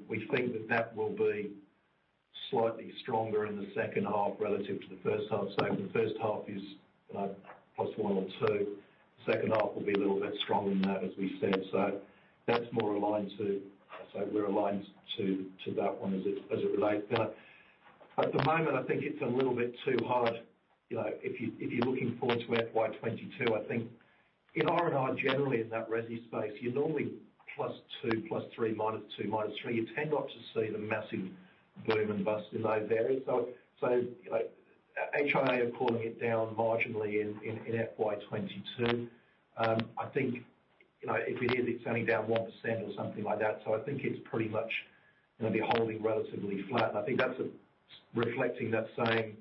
[SPEAKER 1] We think that that will be slightly stronger in the second half relative to the first half. The first half is plus one or two, the second half will be a little bit stronger than that, as we said. That's more aligned to that one as it relates. At the moment, I think it's a little bit too hard if you're looking forward to FY 2022. I think in R&R, generally in that resi space, you're normally +2%, +3%, -2%, -3%. You tend not to see the massive boom and bust, although they vary. HIA are pulling it down marginally in FY 2022. I think if it is, it's only down 1% or something like that. I think it's pretty much going to be holding relatively flat, and I think that's reflecting that same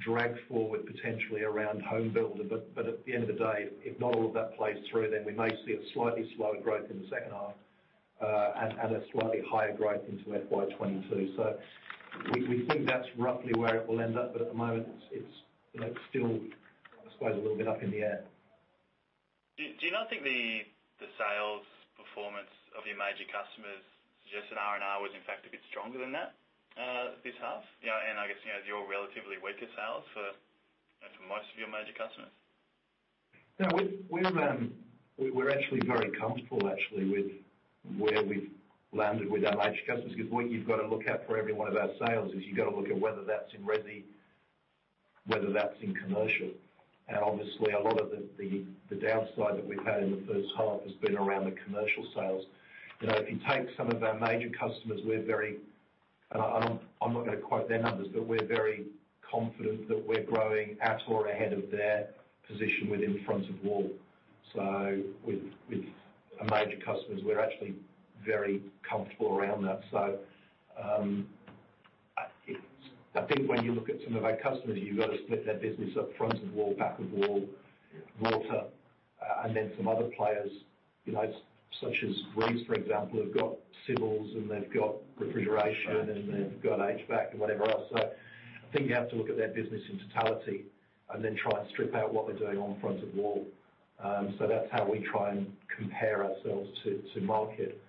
[SPEAKER 1] drag forward potentially around HomeBuilder. At the end of the day, if not all of that plays through, then we may see a slightly slower growth in the second half and a slightly higher growth into FY 2022. We think that's roughly where it will end up. At the moment, it's still, I suppose, a little bit up in the air.
[SPEAKER 7] Do you not think the sales performance of your major customers suggest that R&R was in fact a bit stronger than that this half? I guess you had your relatively weaker sales for most of your major customers.
[SPEAKER 1] No, we're very comfortable actually with where we've landed with our major customers, because what you've got to look at for every one of our sales is you've got to look at whether that's in resi, whether that's in commercial. Obviously, a lot of the downside that we've had in the first half has been around the commercial sales. If you take some of our major customers, I'm not going to quote their numbers, but we're very confident that we're growing at or ahead of their position within front of wall. With our major customers, we're actually very comfortable around that. I think when you look at some of our customers, you've got to split their business up front of wall, back of wall, water, and then some other players, such as Reece, for example, who've got civils and they've got refrigeration and they've got HVAC and whatever else. I think you have to look at their business in totality and then try and strip out what they're doing on front of wall. That's how we try and compare ourselves to market.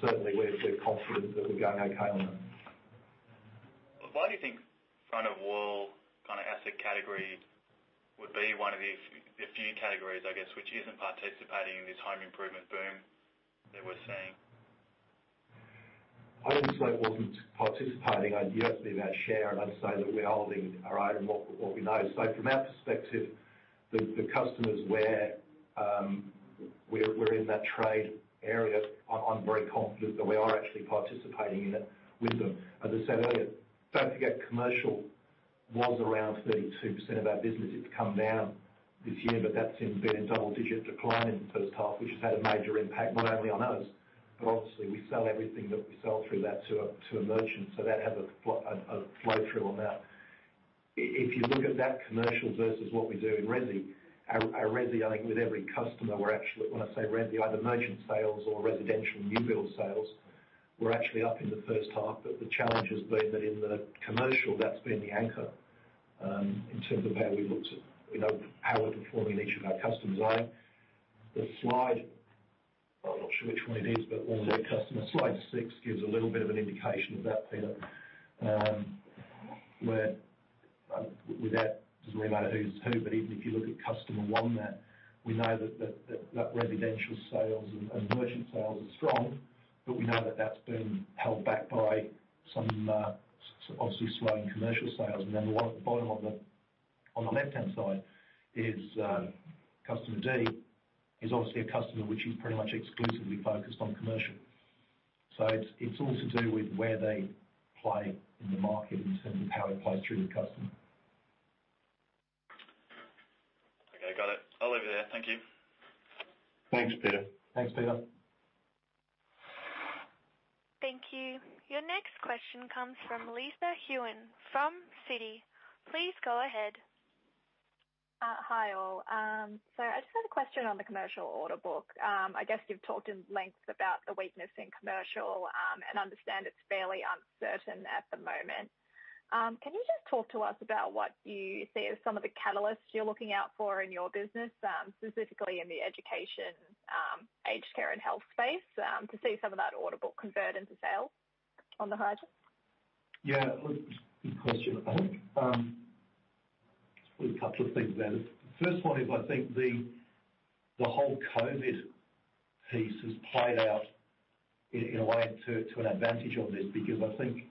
[SPEAKER 1] Certainly, we're confident that we're going okay on that.
[SPEAKER 7] Why do you think front of wall asset category would be one of the few categories, I guess, which isn't participating in this home improvement boom that we're seeing?
[SPEAKER 1] I wouldn't say it wasn't participating. You have to think about share, and I'd say that we are holding our own in what we know. From our perspective, the customers where we're in that trade area, I'm very confident that we are actually participating in it with them. As I said earlier, don't forget, commercial was around 32% of our business. It's come down this year, but that's been a double-digit decline in the first half, which has had a major impact not only on us, but obviously we sell everything that we sell through that to a merchant, so that has a flow-through amount. If you look at that commercial versus what we do in resi, our resi, I think with every customer, when I say resi, either merchant sales or residential new build sales, we're actually up in the first half. The challenge has been that in the commercial, that's been the anchor in terms of how we're performing in each of our customers. The slide, I'm not sure which one it is, one of their customer, slide six gives a little bit of an indication of that, Peter, where it doesn't really matter who's who, even if you look at customer one there, we know that that residential sales and merchant sales are strong, we know that that's been held back by some obviously slowing commercial sales. The one at the bottom on the left-hand side is customer D, is obviously a customer which is pretty much exclusively focused on commercial. It's all to do with where they play in the market in terms of how we play through the customer.
[SPEAKER 7] Okay, got it. I'll leave it there. Thank you.
[SPEAKER 1] Thanks, Peter.
[SPEAKER 2] Thanks, Peter.
[SPEAKER 3] Thank you. Your next question comes from Lisa Huynh from Citi. Please go ahead.
[SPEAKER 8] Hi, all. I just had a question on the commercial order book. I guess you've talked at length about the weakness in commercial, and understand it's fairly uncertain at the moment. Can you just talk to us about what you see as some of the catalysts you're looking out for in your business, specifically in the education, aged care, and health space, to see some of that order book convert into sales on the horizon?
[SPEAKER 1] Yeah. Good question. I think there's a couple of things about it. First one is I think the whole COVID-19 piece has played out in a way to an advantage of this, because I think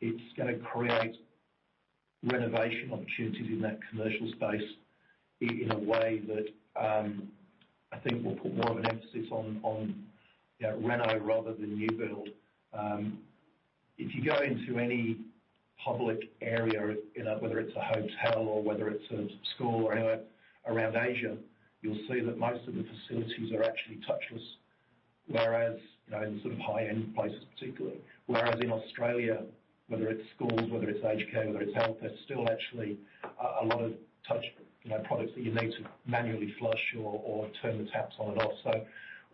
[SPEAKER 1] it's going to create renovation opportunities in that commercial space in a way that I think will put more of an emphasis on reno rather than new build. If you go into any public area, whether it's a hotel or whether it's a school or anywhere around Asia, you'll see that most of the facilities are actually touchless. Whereas in the high-end places particularly. In Australia, whether it's schools, whether it's aged care, whether it's health, there's still actually a lot of touch products that you need to manually flush or turn the taps on and off.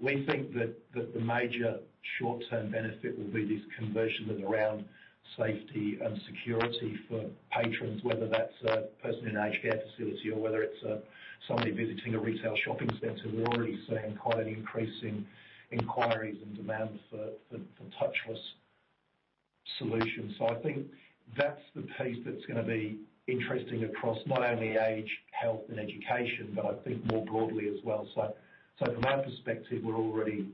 [SPEAKER 1] We think that the major short-term benefit will be this conversion around safety and security for patrons, whether that's a person in an age care facility or whether it's somebody visiting a retail shopping center. We're already seeing quite an increase in inquiries and demand for touchless solutions. I think that's the piece that's going to be interesting across not only age, health, and education, but I think more broadly as well. From my perspective, we're already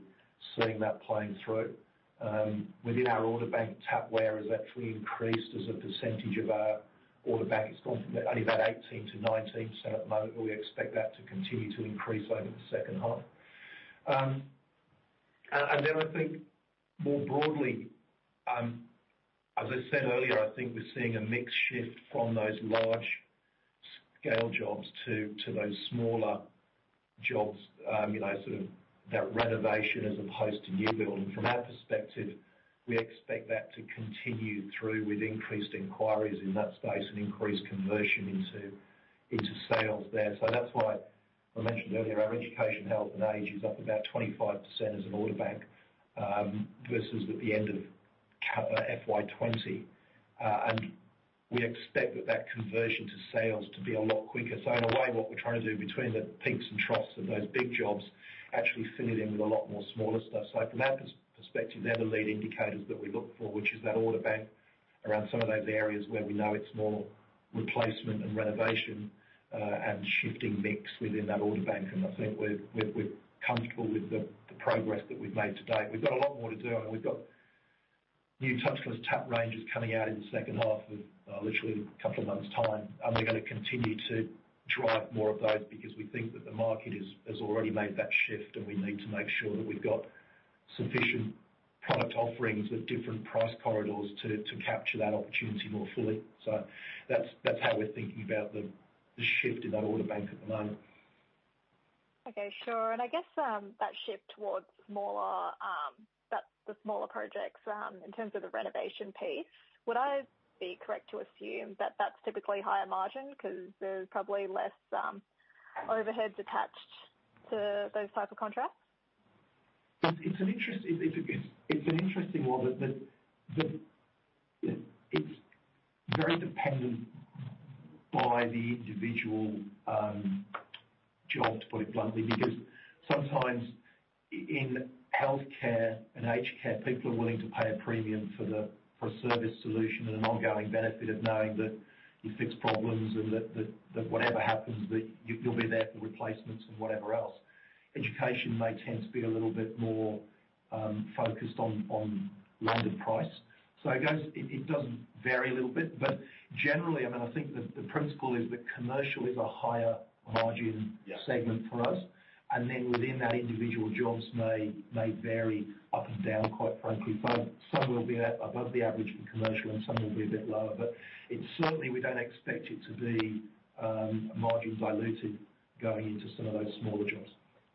[SPEAKER 1] seeing that playing through. Within our order bank, tapware has actually increased as a percentage of our order bank. It's gone from only about 18%-19%, at the moment, but we expect that to continue to increase over the second half. I think more broadly, as I said earlier, I think we're seeing a mix shift from those large-scale jobs to those smaller jobs, that renovation as opposed to new build. From our perspective, we expect that to continue through with increased inquiries in that space and increased conversion into sales there. That's why I mentioned earlier, our education, health, and age is up about 25% as an order bank versus at the end of FY 2020. We expect that conversion to sales to be a lot quicker. In a way, what we're trying to do between the peaks and troughs of those big jobs, actually fill it in with a lot more smaller stuff. From that perspective, they're the lead indicators that we look for, which is that order bank around some of those areas where we know it's more replacement and renovation, and shifting mix within that order bank. I think we're comfortable with the progress that we've made to date. We've got a lot more to do and we've got new touchless tap ranges coming out in the second half of literally a couple of months' time. We're going to continue to drive more of those because we think that the market has already made that shift, and we need to make sure that we've got sufficient product offerings with different price corridors to capture that opportunity more fully. That's how we're thinking about the shift in that order bank at the moment.
[SPEAKER 8] Okay, sure. I guess that shift towards the smaller projects, in terms of the renovation piece, would I be correct to assume that that's typically higher margin because there's probably less overheads attached to those types of contracts?
[SPEAKER 1] It's an interesting one. It's very dependent by the individual job, to put it bluntly, because sometimes in healthcare and aged care, people are willing to pay a premium for a service solution and an ongoing benefit of knowing that you fix problems and that whatever happens, that you'll be there for replacements and whatever else. Education may tend to be a little bit more focused on landed price. It does vary a little bit, but generally, I think the principle is that commercial is a higher margin segment for us. Within that, individual jobs may vary up and down, quite frankly. Some will be above the average for commercial and some will be a bit lower. Certainly, we don't expect it to be margin dilutive going into some of those smaller jobs.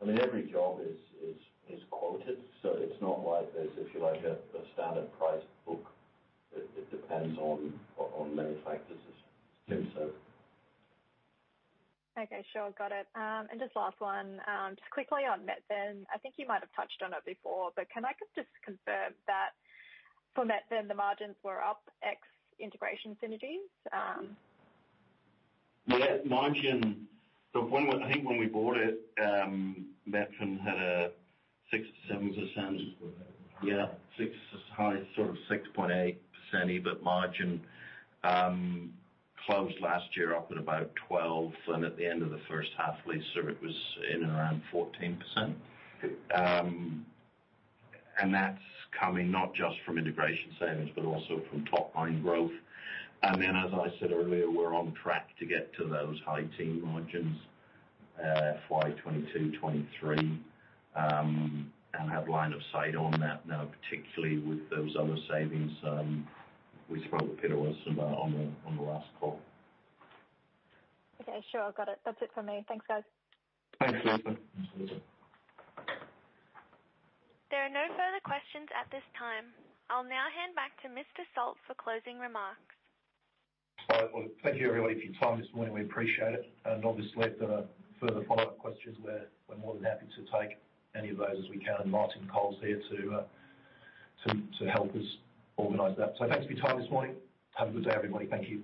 [SPEAKER 2] Every job is quoted, so it's not like there's a standard price book. It depends on many factors as Tim said.
[SPEAKER 8] Okay, sure. Got it. Just last one, just quickly on Methven. I think you might have touched on it before, but can I just confirm that for Methven, the margins were up x integration synergies?
[SPEAKER 1] Well, that margin, I think when we bought it, Methven had a 6%-7%.
[SPEAKER 2] Just over that.
[SPEAKER 1] 6%, as high as sort of 6.8% EBIT margin. Closed last year up at about 12%, and at the end of the first half, Lisa, it was in and around 14%. That's coming not just from integration savings, but also from top-line growth. As I said earlier, we're on track to get to those high teen margins FY 2022, FY 2023 and have line of sight on that now, particularly with those other savings we spoke with Peter Wilson about on the last call.
[SPEAKER 8] Okay, sure. Got it. That's it from me. Thanks, guys.
[SPEAKER 1] Thanks, Lisa.
[SPEAKER 2] Thanks, Lisa.
[SPEAKER 3] There are no further questions at this time. I'll now hand back to Mr Salt for closing remarks.
[SPEAKER 1] Well, thank you, everybody, for your time this morning. We appreciate it. Obviously, if there are further follow-up questions, we're more than happy to take any of those as we can, and Martin Cole's here to help us organize that. Thanks for your time this morning. Have a good day, everybody. Thank you.